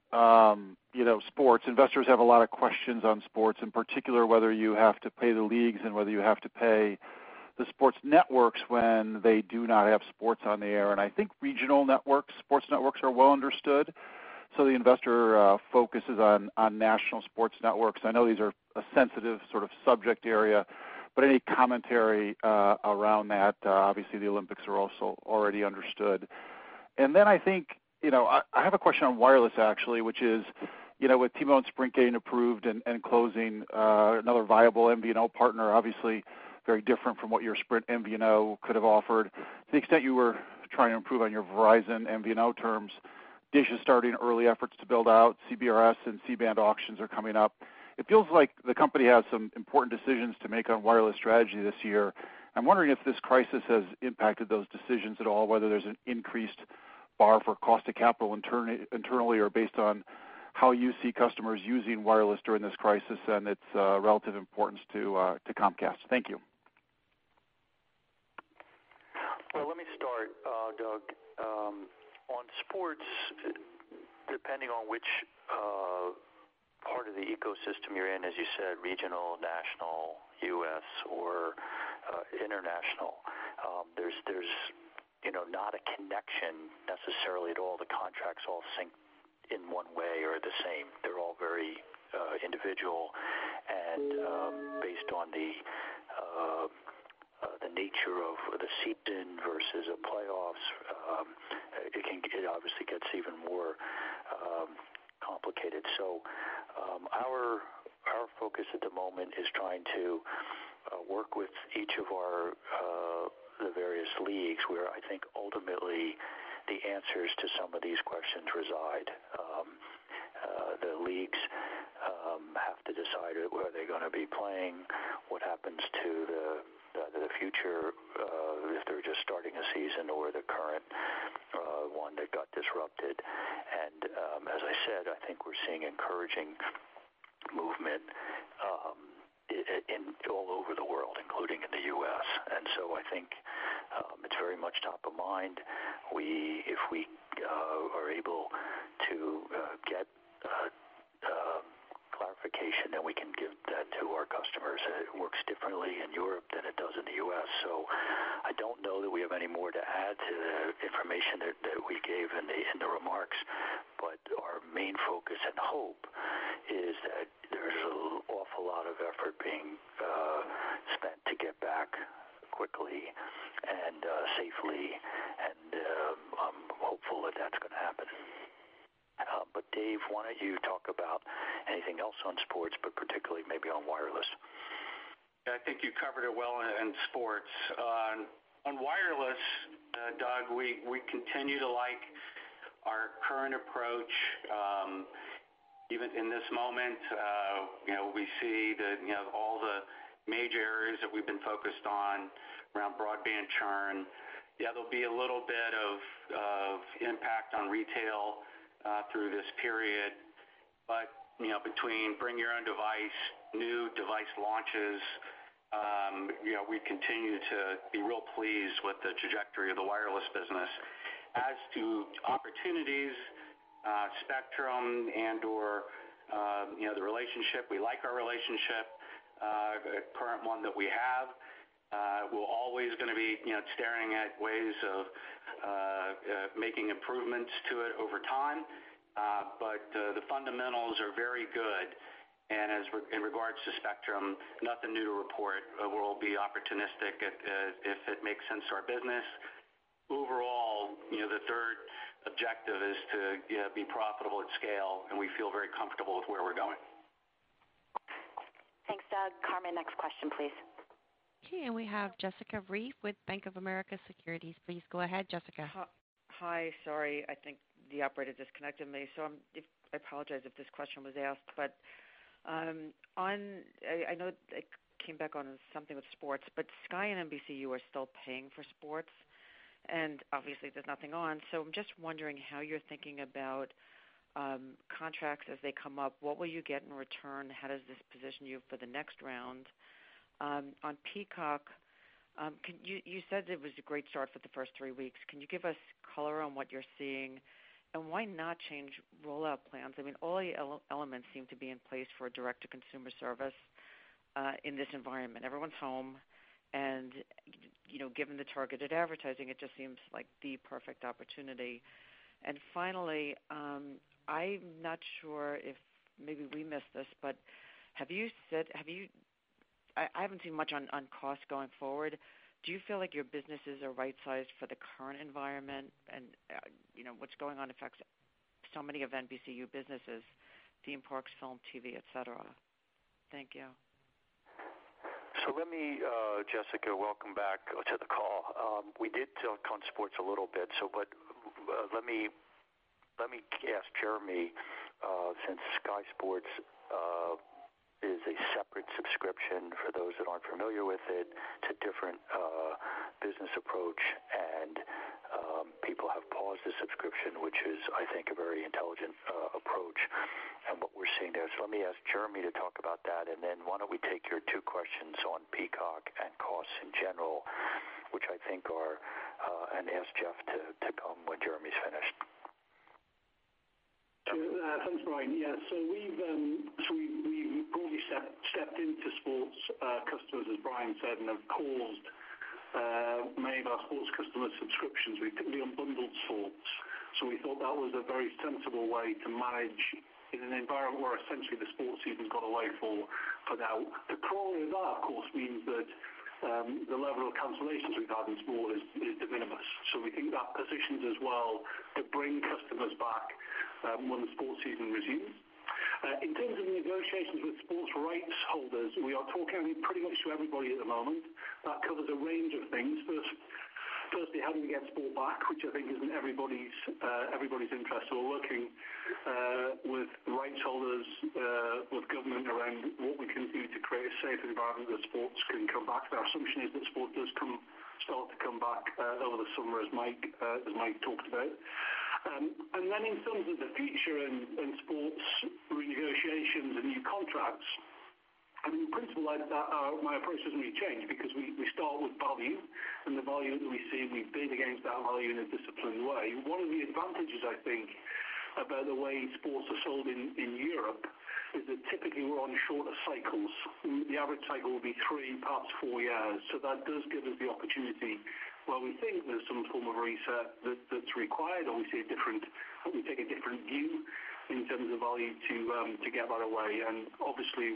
[SPEAKER 8] sports. Investors have a lot of questions on sports, in particular, whether you have to pay the leagues and whether you have to pay the sports networks when they do not have sports on the air. I think regional networks, sports networks are well understood. The investor focus is on national sports networks. I know these are a sensitive sort of subject area, any commentary around that? Obviously, the Olympics are also already understood. I think I have a question on wireless actually, which is, with T-Mobile and Sprint getting approved and closing another viable MVNO partner, obviously very different from what your Sprint MVNO could have offered. To the extent you were trying to improve on your Verizon MVNO terms, Dish is starting early efforts to build out CBRS and C-band auctions are coming up. It feels like the company has some important decisions to make on wireless strategy this year. I'm wondering if this crisis has impacted those decisions at all, whether there's an increased bar for cost of capital internally or based on how you see customers using wireless during this crisis and its relative importance to Comcast. Thank you.
[SPEAKER 3] Well, let me start, Doug. On sports, depending on which part of the ecosystem you're in, as you said, regional, national, U.S., or international. There's not a connection necessarily at all the contracts all sync in one way or the same. They're all very individual and based on the nature of the season versus playoffs it obviously gets even more complicated. Our focus at the moment is trying to work with each of the various leagues, where I think ultimately the answers to some of these questions reside. The leagues have to decide whether they're going to be playing, what happens to the future, if they're just starting a season or the current one that got disrupted. As I said, I think we're seeing encouraging movement all over the world, including in the U.S. I think it's very much top of mind. If we are able to get clarification, then we can give that to our customers. It works differently in Europe than it does in the U.S. I don't know that we have any more to add to the information that we gave in the remarks. Our main focus and hope is that there's an awful lot of effort being spent to get back quickly and safely, and I'm hopeful that that's going to happen. Dave, why don't you talk about anything else on sports, but particularly maybe on wireless?
[SPEAKER 6] Yeah, I think you covered it well in sports. On wireless, Doug, we continue to like our current approach. Even in this moment we see that all the major areas that we've been focused on around broadband churn. Yeah, there'll be a little bit of impact on retail through this period. Between bring your own device, new device launches, we continue to be real pleased with the trajectory of the wireless business. As to opportunities, spectrum and/or the relationship, we like our relationship, the current one that we have. We'll always going to be staring at ways of making improvements to it over time. The fundamentals are very good, and in regards to spectrum, nothing new to report. We'll be opportunistic if it makes sense to our business. Overall, the third objective is to be profitable at scale, and we feel very comfortable with where we're going.
[SPEAKER 2] Thanks, Doug. Carmen, next question, please.
[SPEAKER 1] Okay, we have Jessica Reif with Bank of America Securities. Please go ahead, Jessica.
[SPEAKER 9] Hi. Sorry, I think the operator disconnected me. I apologize if this question was asked. I know it came back on something with sports. Sky and NBCUniversal are still paying for sports, and obviously there's nothing on. I'm just wondering how you're thinking about contracts as they come up. What will you get in return? How does this position you for the next round? On Peacock, you said it was a great start for the first three weeks. Can you give us color on what you're seeing, and why not change rollout plans? I mean, all the elements seem to be in place for a direct-to-consumer service in this environment. Everyone's home given the targeted advertising, it just seems like the perfect opportunity. Finally, I'm not sure if maybe we missed this. I haven't seen much on cost going forward. Do you feel like your businesses are right-sized for the current environment and what's going on affects so many of NBCUniversal businesses, theme parks, film, TV, et cetera. Thank you.
[SPEAKER 3] Let me, Jessica, welcome back to the call. We did touch on sports a little bit. Let me ask Jeremy, since Sky Sports is a separate subscription for those that aren't familiar with it's a different business approach and people have paused the subscription, which is, I think, a very intelligent approach and what we're seeing there. Let me ask Jeremy to talk about that, and then why don't we take your two questions on Peacock and costs in general, and ask Jeff to come when Jeremy's finished.
[SPEAKER 10] Thanks, Brian. We've probably stepped into sports customers, as Brian said, and have paused many of our sports customer subscriptions. We unbundled sports. We thought that was a very sensible way to manage in an environment where essentially the sports season's gone away for now. The corollary of that, of course, means that the level of cancellations we've had in sport is de minimis. We think that positions us well to bring customers back when the sports season resumes. In terms of negotiations with sports rights holders, we are talking pretty much to everybody at the moment. That covers a range of things. Firstly, how do we get sport back, which I think is in everybody's interest. We're working with rights holders, with government around what we can do to create a safe environment that sports can come back. Our assumption is that sport does start to come back over the summer, as Mike talked about. In terms of the future in sports renegotiations and new contracts, in principle, my approach doesn't really change because we start with value and the value that we see, we bid against that value in a disciplined way. One of the advantages, I think, about the way sports are sold in Europe is that typically we're on shorter cycles. The average cycle will be three, perhaps four years. That does give us the opportunity where we think there's some form of reset that's required, or we take a different view in terms of value to get out of the way. Obviously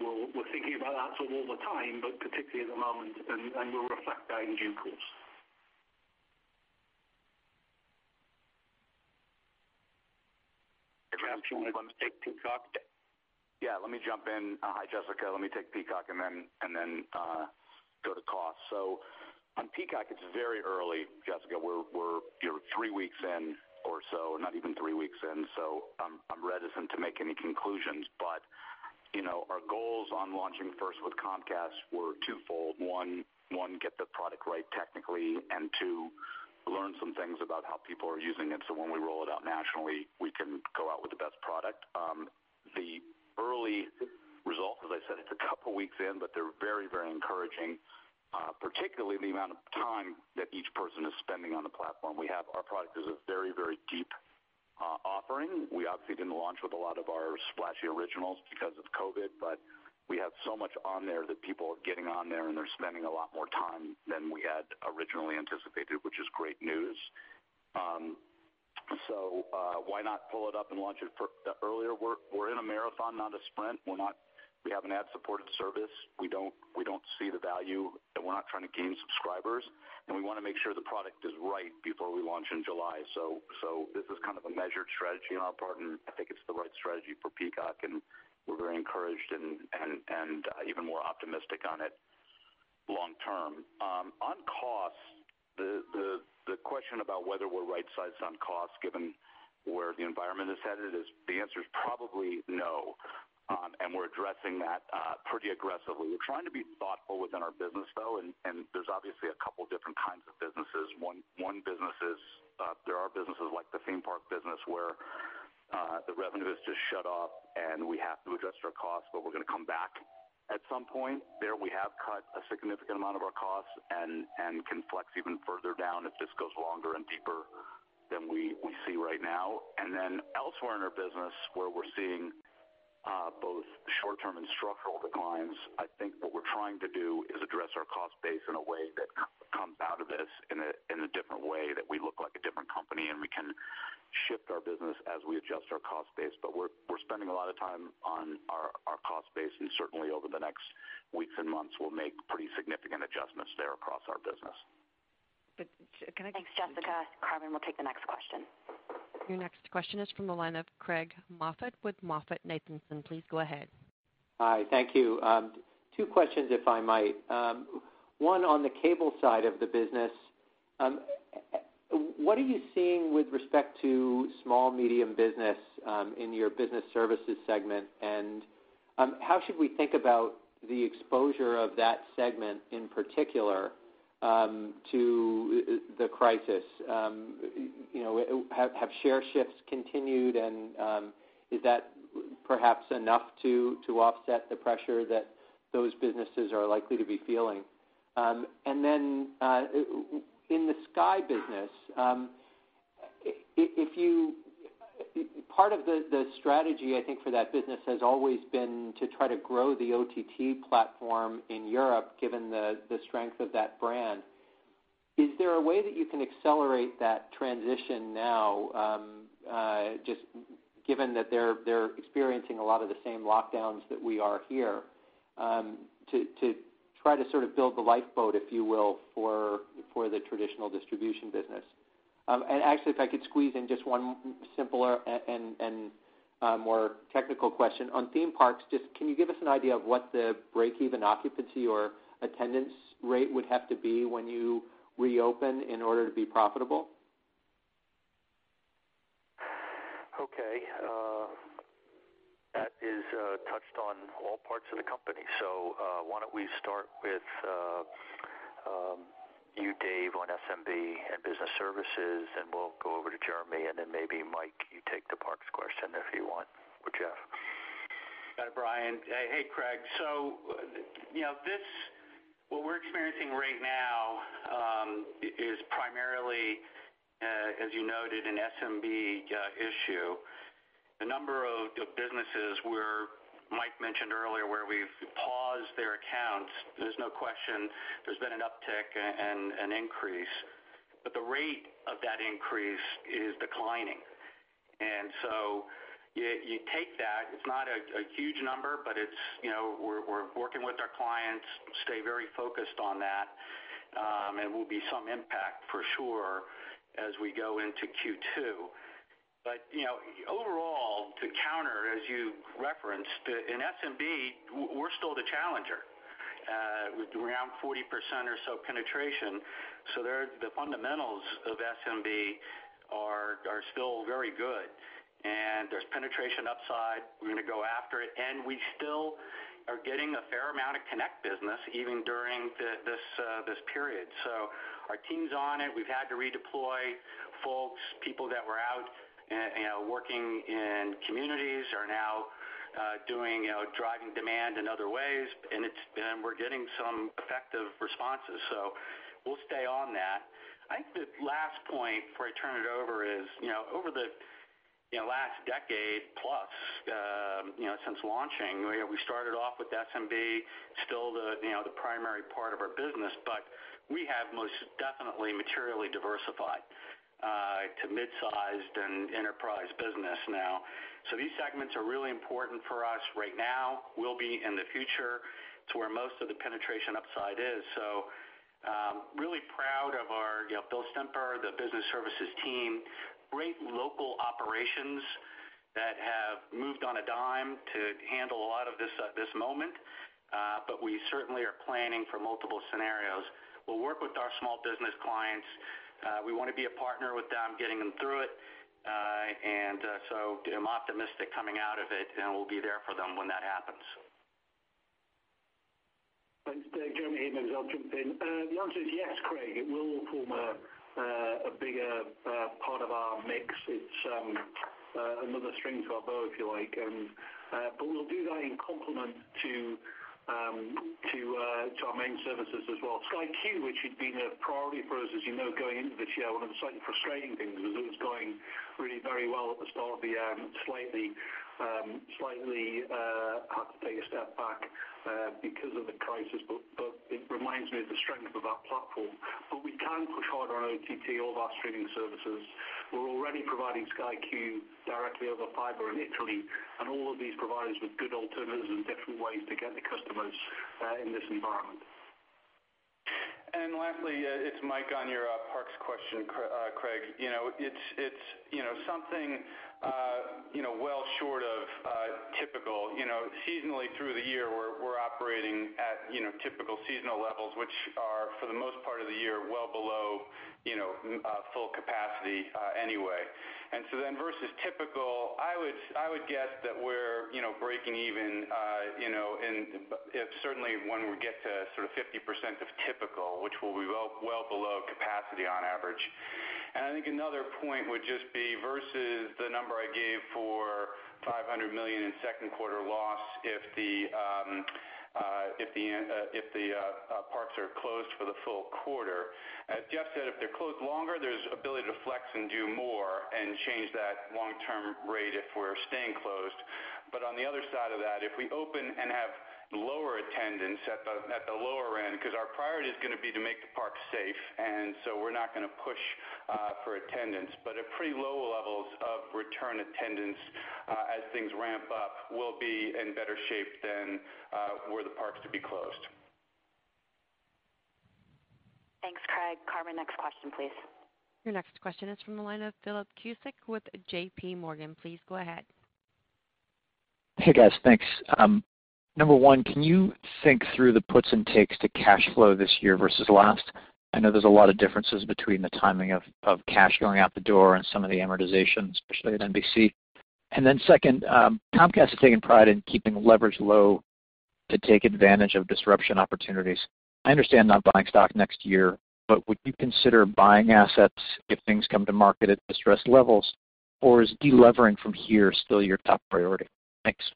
[SPEAKER 10] we're thinking about that sort of all the time, but particularly at the moment, and we'll reflect that in due course.
[SPEAKER 3] Jeff, do you want to take Peacock?
[SPEAKER 7] Yeah, let me jump in. Hi, Jessica. Let me take Peacock and go to cost. On Peacock, it's very early, Jessica. We're three weeks in or so, not even three weeks in. I'm reticent to make any conclusions. Our goals on launching first with Comcast were twofold. One, get the product right technically, and two, learn some things about how people are using it. When we roll it out nationally, we can go out with the best product. The early results, as I said, it's a couple of weeks in. They're very encouraging. Particularly the amount of time that each person is spending on the platform. Our product is a very deep offering. We obviously didn't launch with a lot of our splashy originals because of COVID, but we have so much on there that people are getting on there and they're spending a lot more time than we had originally anticipated, which is great news. Why not pull it up and launch it earlier? We're in a marathon, not a sprint. We have an ad-supported service. We don't see the value and we're not trying to gain subscribers, and we want to make sure the product is right before we launch in July. This is kind of a measured strategy on our part, and I think it's the right strategy for Peacock, and we're very encouraged and even more optimistic on it long term. On cost, the question about whether we're right-sized on cost given where the environment is headed is the answer is probably no. We're addressing that pretty aggressively. We're trying to be thoughtful within our business, though, and there's obviously a couple different kinds of businesses. One business is there are businesses like the theme park business where the revenue is just shut off and we have to adjust our costs, but we're going to come back at some point. There we have cut a significant amount of our costs and can flex even further down if this goes longer and deeper than we see right now. Then elsewhere in our business where we're seeing both short-term and structural declines, I think what we're trying to do is address our cost base in a way that comes out of this in a different way that we look like a different company and we can shift our business as we adjust our cost base. We're spending a lot of time on our cost base and certainly over the next weeks and months we'll make pretty significant adjustments there across our business.
[SPEAKER 3] But can I-
[SPEAKER 2] Thanks, Jessica. Carmen will take the next question.
[SPEAKER 1] Your next question is from the line of Craig Moffett with MoffettNathanson. Please go ahead.
[SPEAKER 11] Hi. Thank you. Two questions, if I might. One on the cable side of the business. What are you seeing with respect to small medium business in your business services segment? How should we think about the exposure of that segment in particular to the crisis? Have share shifts continued and is that perhaps enough to offset the pressure that those businesses are likely to be feeling? In the Sky business part of the strategy I think for that business has always been to try to grow the OTT platform in Europe given the strength of that brand. Is there a way that you can accelerate that transition now just given that they're experiencing a lot of the same lockdowns that we are here to try to sort of build the lifeboat, if you will, for the traditional distribution business? Actually, if I could squeeze in just one simpler and more technical question. On theme parks, just can you give us an idea of what the break-even occupancy or attendance rate would have to be when you reopen in order to be profitable?
[SPEAKER 3] Okay. That is touched on all parts of the company. Why don't we start with you, Dave, on SMB and business services, and we'll go over to Jeremy, and then maybe Mike, you take the parks question if you want, or Jeff.
[SPEAKER 6] Got it, Brian. Hey, Craig. What we're experiencing right now is primarily, as you noted, an SMB issue. The number of businesses Mike mentioned earlier where we've paused their accounts, there's no question there's been an uptick and an increase, but the rate of that increase is declining. You take that, it's not a huge number, but we're working with our clients, stay very focused on that, and will be some impact for sure as we go into Q2. Overall, to counter, as you referenced, in SMB, we're still the challenger with around 40% or so penetration. The fundamentals of SMB are still very good, and there's penetration upside. We're going to go after it. We still are getting a fair amount of Connect business, even during this period. Our team's on it. We've had to redeploy folks, people that were out working in communities are now driving demand in other ways, and we're getting some effective responses. We'll stay on that. I think the last point before I turn it over is, over the last decade plus since launching, we started off with SMB, still the primary part of our business, but we have most definitely materially diversified to mid-sized and enterprise business now. These segments are really important for us right now, will be in the future. It's where most of the penetration upside is. I'm really proud of William Stemper, the business services team, great local operations that have moved on a dime to handle a lot of this at this moment, but we certainly are planning for multiple scenarios. We'll work with our small business clients. We want to be a partner with them, getting them through it. I'm optimistic coming out of it and we'll be there for them when that happens.
[SPEAKER 10] Thanks, Dave. Jeremy here, maybe I'll jump in. The answer is yes, Craig. It will form a bigger part of our mix. It's another string to our bow, if you like. We'll do that in complement to our main services as well. Sky Q, which had been a priority for us as you know going into this year, one of the slightly frustrating things is it was going really very well at the start of the year, slightly had to take a step back because of the crisis, but it reminds me of the strength of our platform. We can push hard on OTT, all of our streaming services. We're already providing Sky Q directly over fiber in Italy, and all of these provide us with good alternatives and different ways to get to customers in this environment.
[SPEAKER 4] Lastly, it's Mike on your parks question, Craig. It's something well short of typical. Seasonally through the year, we're operating at typical seasonal levels, which are, for the most part of the year, well below full capacity anyway. Versus typical, I would guess that we're breaking even if certainly one would get to sort of 50% of typical, which will be well below capacity on average. I think another point would just be versus the number I gave for $500 million in second quarter loss if the parks are closed for the full quarter. As Jeff said, if they're closed longer, there's ability to flex and do more and change that long-term rate if we're staying closed. On the other side of that, if we open and have lower attendance at the lower end, because our priority is going to be to make the parks safe, and so we're not going to push for attendance. At pretty low levels of return attendance as things ramp up, we'll be in better shape than were the parks to be closed.
[SPEAKER 2] Thanks, Craig. Carmen, next question, please.
[SPEAKER 1] Your next question is from the line of Philip Cusick with JPMorgan. Please go ahead.
[SPEAKER 12] Hey, guys. Thanks. Number one, can you think through the puts and takes to cash flow this year versus last? I know there's a lot of differences between the timing of cash going out the door and some of the amortization, especially at NBC. Second, Comcast has taken pride in keeping leverage low to take advantage of disruption opportunities. I understand not buying stock next year, would you consider buying assets if things come to market at distressed levels, or is de-levering from here still your top priority? Thanks.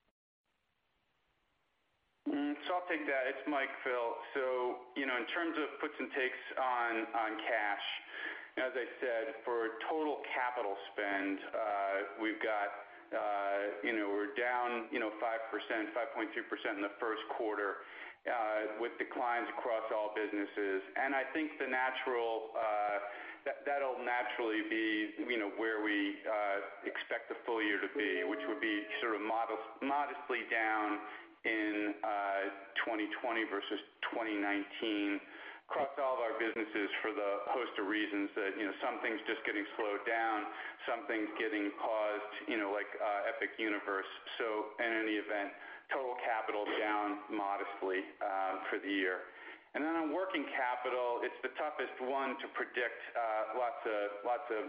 [SPEAKER 4] I'll take that. It's Mike, Phil. In terms of puts and takes on cash, as I said, for total capital spend, we're down 5.2% in the first quarter with declines across all businesses. I think that'll naturally be modestly down in 2020 versus 2019 across all of our businesses for the host of reasons that some things just getting slowed down, some things getting paused, like Epic Universe. In any event, total capital down modestly for the year. On working capital, it's the toughest one to predict. Lots of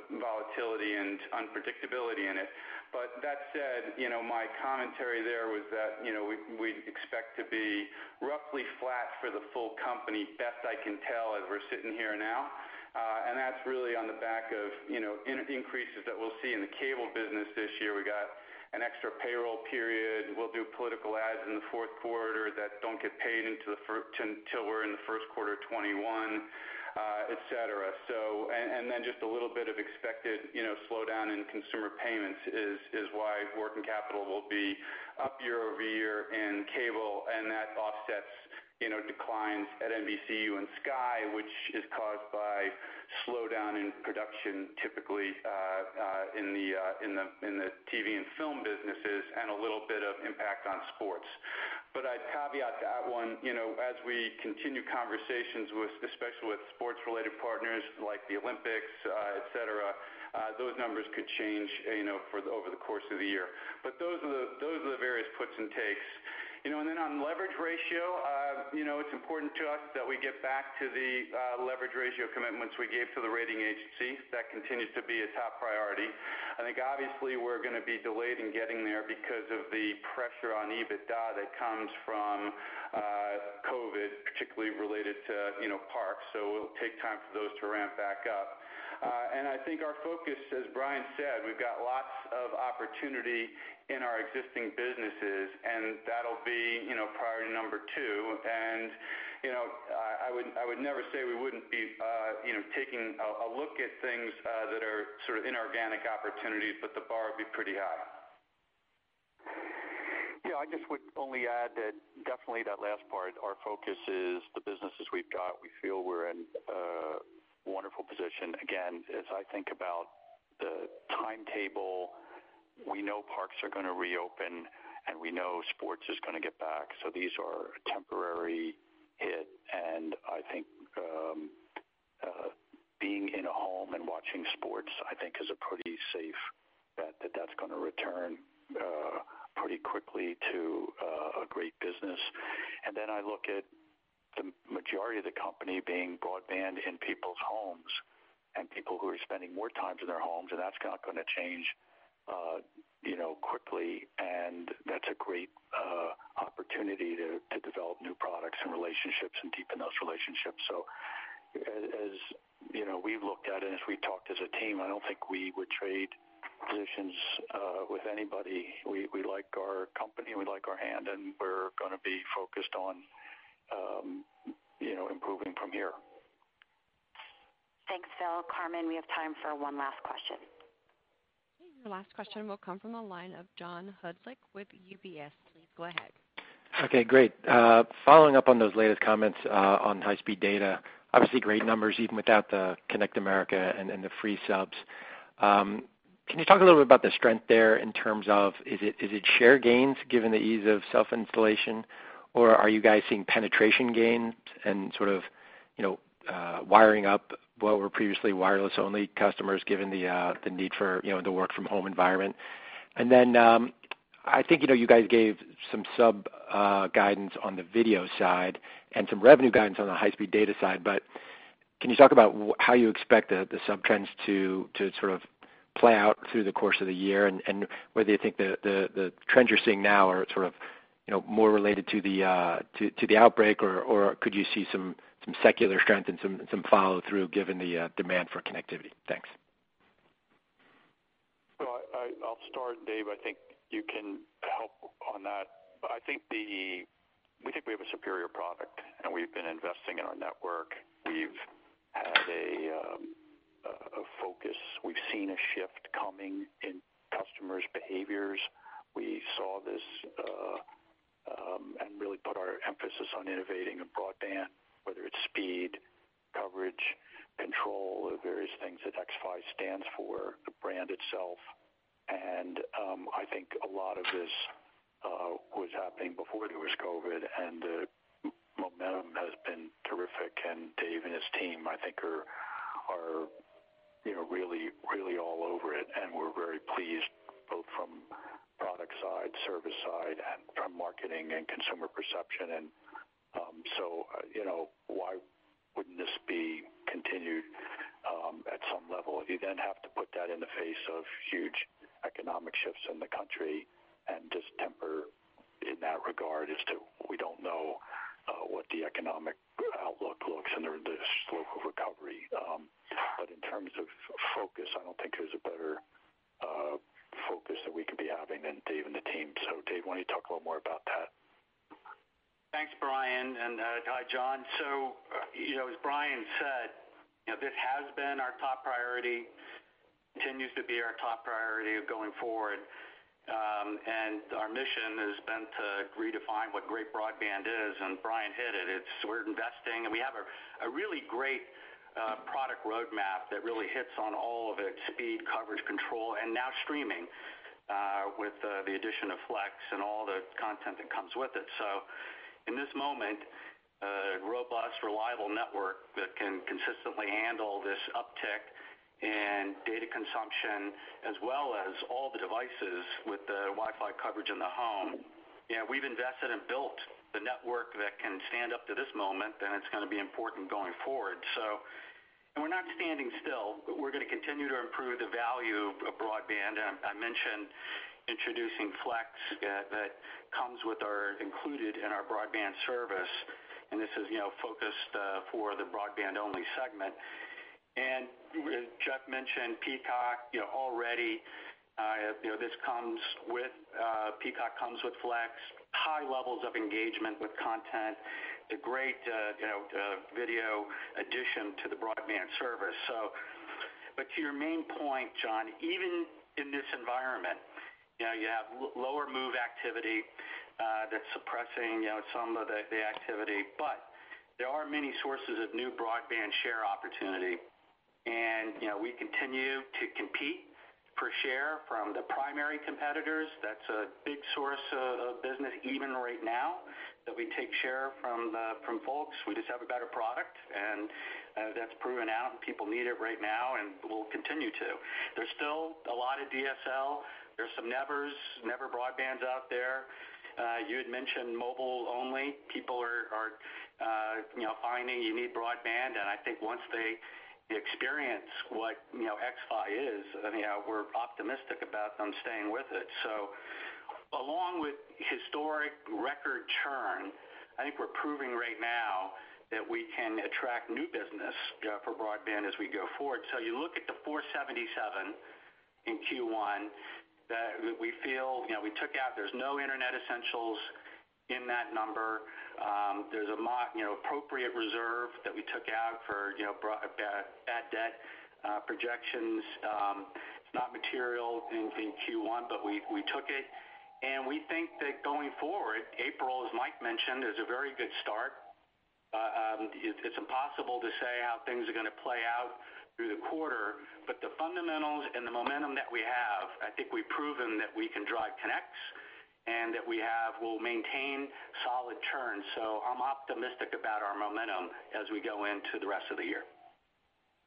[SPEAKER 4] volatility and unpredictability in it. That said, my commentary there was that we'd expect to be roughly flat for the full company, best I can tell as we're sitting here now. That's really on the back of increases that we'll see in the cable business this year. We got an extra payroll period. We'll do political ads in the fourth quarter that don't get paid until we're in the first quarter of 2021, et cetera. Just a little bit of expected slowdown in consumer payments is why working capital will be up year-over-year in cable, and that offsets declines at NBCUniversal and Sky, which is caused by slowdown in production, typically in the TV and film businesses and a little bit of impact on sports. I'd caveat that one, as we continue conversations, especially with sports-related partners like the Olympics, et cetera, those numbers could change over the course of the year. Those are the various puts and takes. On leverage ratio, it's important to us that we get back to the leverage ratio commitments we gave to the rating agency. That continues to be a top priority. I think obviously we're going to be delayed in getting there because of the pressure on EBITDA that comes from COVID, particularly related to parks. We'll take time for those to ramp back up. I think our focus, as Brian said, we've got lots of opportunity in our existing businesses, and that'll be priority number two. I would never say we wouldn't be taking a look at things that are inorganic opportunities, but the bar would be pretty high.
[SPEAKER 3] Yeah, I just would only add that definitely that last part, our focus is the businesses we've got. We feel we're in a wonderful position. Again, as I think about the timetable, we know Parks are going to reopen, and we know Sports is going to get back, so these are a temporary hit, and I think being in a home and watching Sports, I think is a pretty safe bet that that's going to return pretty quickly to a great business. Then I look at the majority of the company being broadband in people's homes and people who are spending more time in their homes, and that's not going to change quickly. That's a great opportunity to develop new products and relationships and deepen those relationships. As we've looked at it and as we've talked as a team, I don't think we would trade positions with anybody. We like our company, and we like our hand, and we're going to be focused on improving from here.
[SPEAKER 2] Thanks, Phil. Carmen, we have time for one last question.
[SPEAKER 1] Okay. Your last question will come from the line of John Hodulik with UBS. Please go ahead.
[SPEAKER 13] Okay, great. Following up on those latest comments on high-speed data, obviously great numbers even without the Connect America and the free subs. Can you talk a little bit about the strength there in terms of is it share gains given the ease of self-installation, or are you guys seeing penetration gains and wiring up what were previously wireless-only customers given the need for the work from home environment? I think you guys gave some sub guidance on the video side and some revenue guidance on the high-speed data side, can you talk about how you expect the sub trends to play out through the course of the year and whether you think the trends you're seeing now are more related to the outbreak, or could you see some secular strength and some follow-through given the demand for connectivity? Thanks.
[SPEAKER 3] I'll start. Dave, I think you can help on that. We think we have a superior product, and we've been investing in our network. We've had a focus. We've seen a shift coming in customers' behaviors. We saw this and really put our emphasis on innovating in broadband, whether it's speed, coverage, control, the various things that xFi stands for, the brand itself. I think a lot of this was happening before there was COVID, and the momentum has been terrific, and Dave and his team, I think, are really all over it, and we're very pleased, both from product side, service side, and from marketing and consumer perception. Why wouldn't this be continued at some level? You have to put that in the face of huge economic shifts in the country and distemper in that regard as to we don't know what the economic outlook looks and the slope of recovery. In terms of focus, I don't think there's a better focus that we could be having than Dave and the team. Dave, why don't you talk a little more about that?
[SPEAKER 6] Thanks, Brian, and hi, John. As Brian said, this has been our top priority, continues to be our top priority going forward. Our mission has been to redefine what great broadband is, and Brian hit it. It's we're investing, and we have a really great product roadmap that really hits on all of it, speed, coverage, control, and now streaming. With the addition of Flex and all the content that comes with it. In this moment, a robust, reliable network that can consistently handle this uptick in data consumption, as well as all the devices with the Wi-Fi coverage in the home. We've invested and built the network that can stand up to this moment, and it's going to be important going forward. We're not standing still. We're going to continue to improve the value of broadband. I mentioned introducing Flex that comes included in our broadband service, and this is focused for the broadband-only segment. Jeff mentioned Peacock already. Peacock comes with Flex, high levels of engagement with content, a great video addition to the broadband service. To your main point, John, even in this environment, you have lower move activity that's suppressing some of the activity. There are many sources of new broadband share opportunity, and we continue to compete for share from the primary competitors. That's a big source of business, even right now, that we take share from folks. We just have a better product, and that's proven out, and people need it right now and will continue to. There's still a lot of DSL. There's some nevers, never broadbands out there. You had mentioned mobile only. People are finding you need broadband, and I think once they experience what xFi is, we're optimistic about them staying with it. Along with historic record churn, I think we're proving right now that we can attract new business for broadband as we go forward. You look at the 477 in Q1 that we feel we took out. There's no Internet Essentials in that number. There's an appropriate reserve that we took out for bad debt projections. It's not material in Q1, but we took it, and we think that going forward, April, as Mike mentioned, is a very good start. It's impossible to say how things are going to play out through the quarter, but the fundamentals and the momentum that we have, I think we've proven that we can drive connects and that we'll maintain solid churn. I'm optimistic about our momentum as we go into the rest of the year.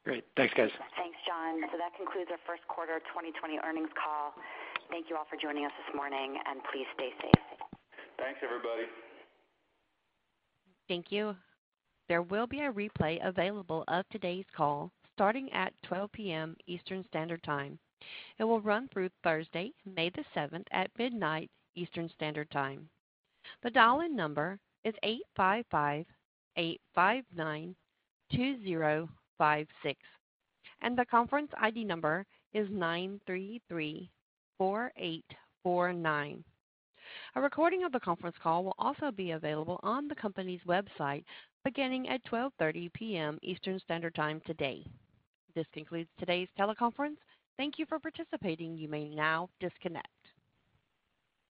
[SPEAKER 13] Great. Thanks, guys.
[SPEAKER 2] Thanks, John. That concludes our first quarter 2020 earnings call. Thank you all for joining us this morning, and please stay safe.
[SPEAKER 3] Thanks, everybody.
[SPEAKER 1] Thank you. There will be a replay available of today's call starting at 12:00 P.M. Eastern Standard Time. It will run through Thursday, May the 7th at midnight Eastern Standard Time. The dial-in number is 855-859-2056, and the conference ID number is 9334849. A recording of the conference call will also be available on the company's website beginning at 12:30 P.M. Eastern Standard Time today. This concludes today's teleconference. Thank you for participating. You may now disconnect.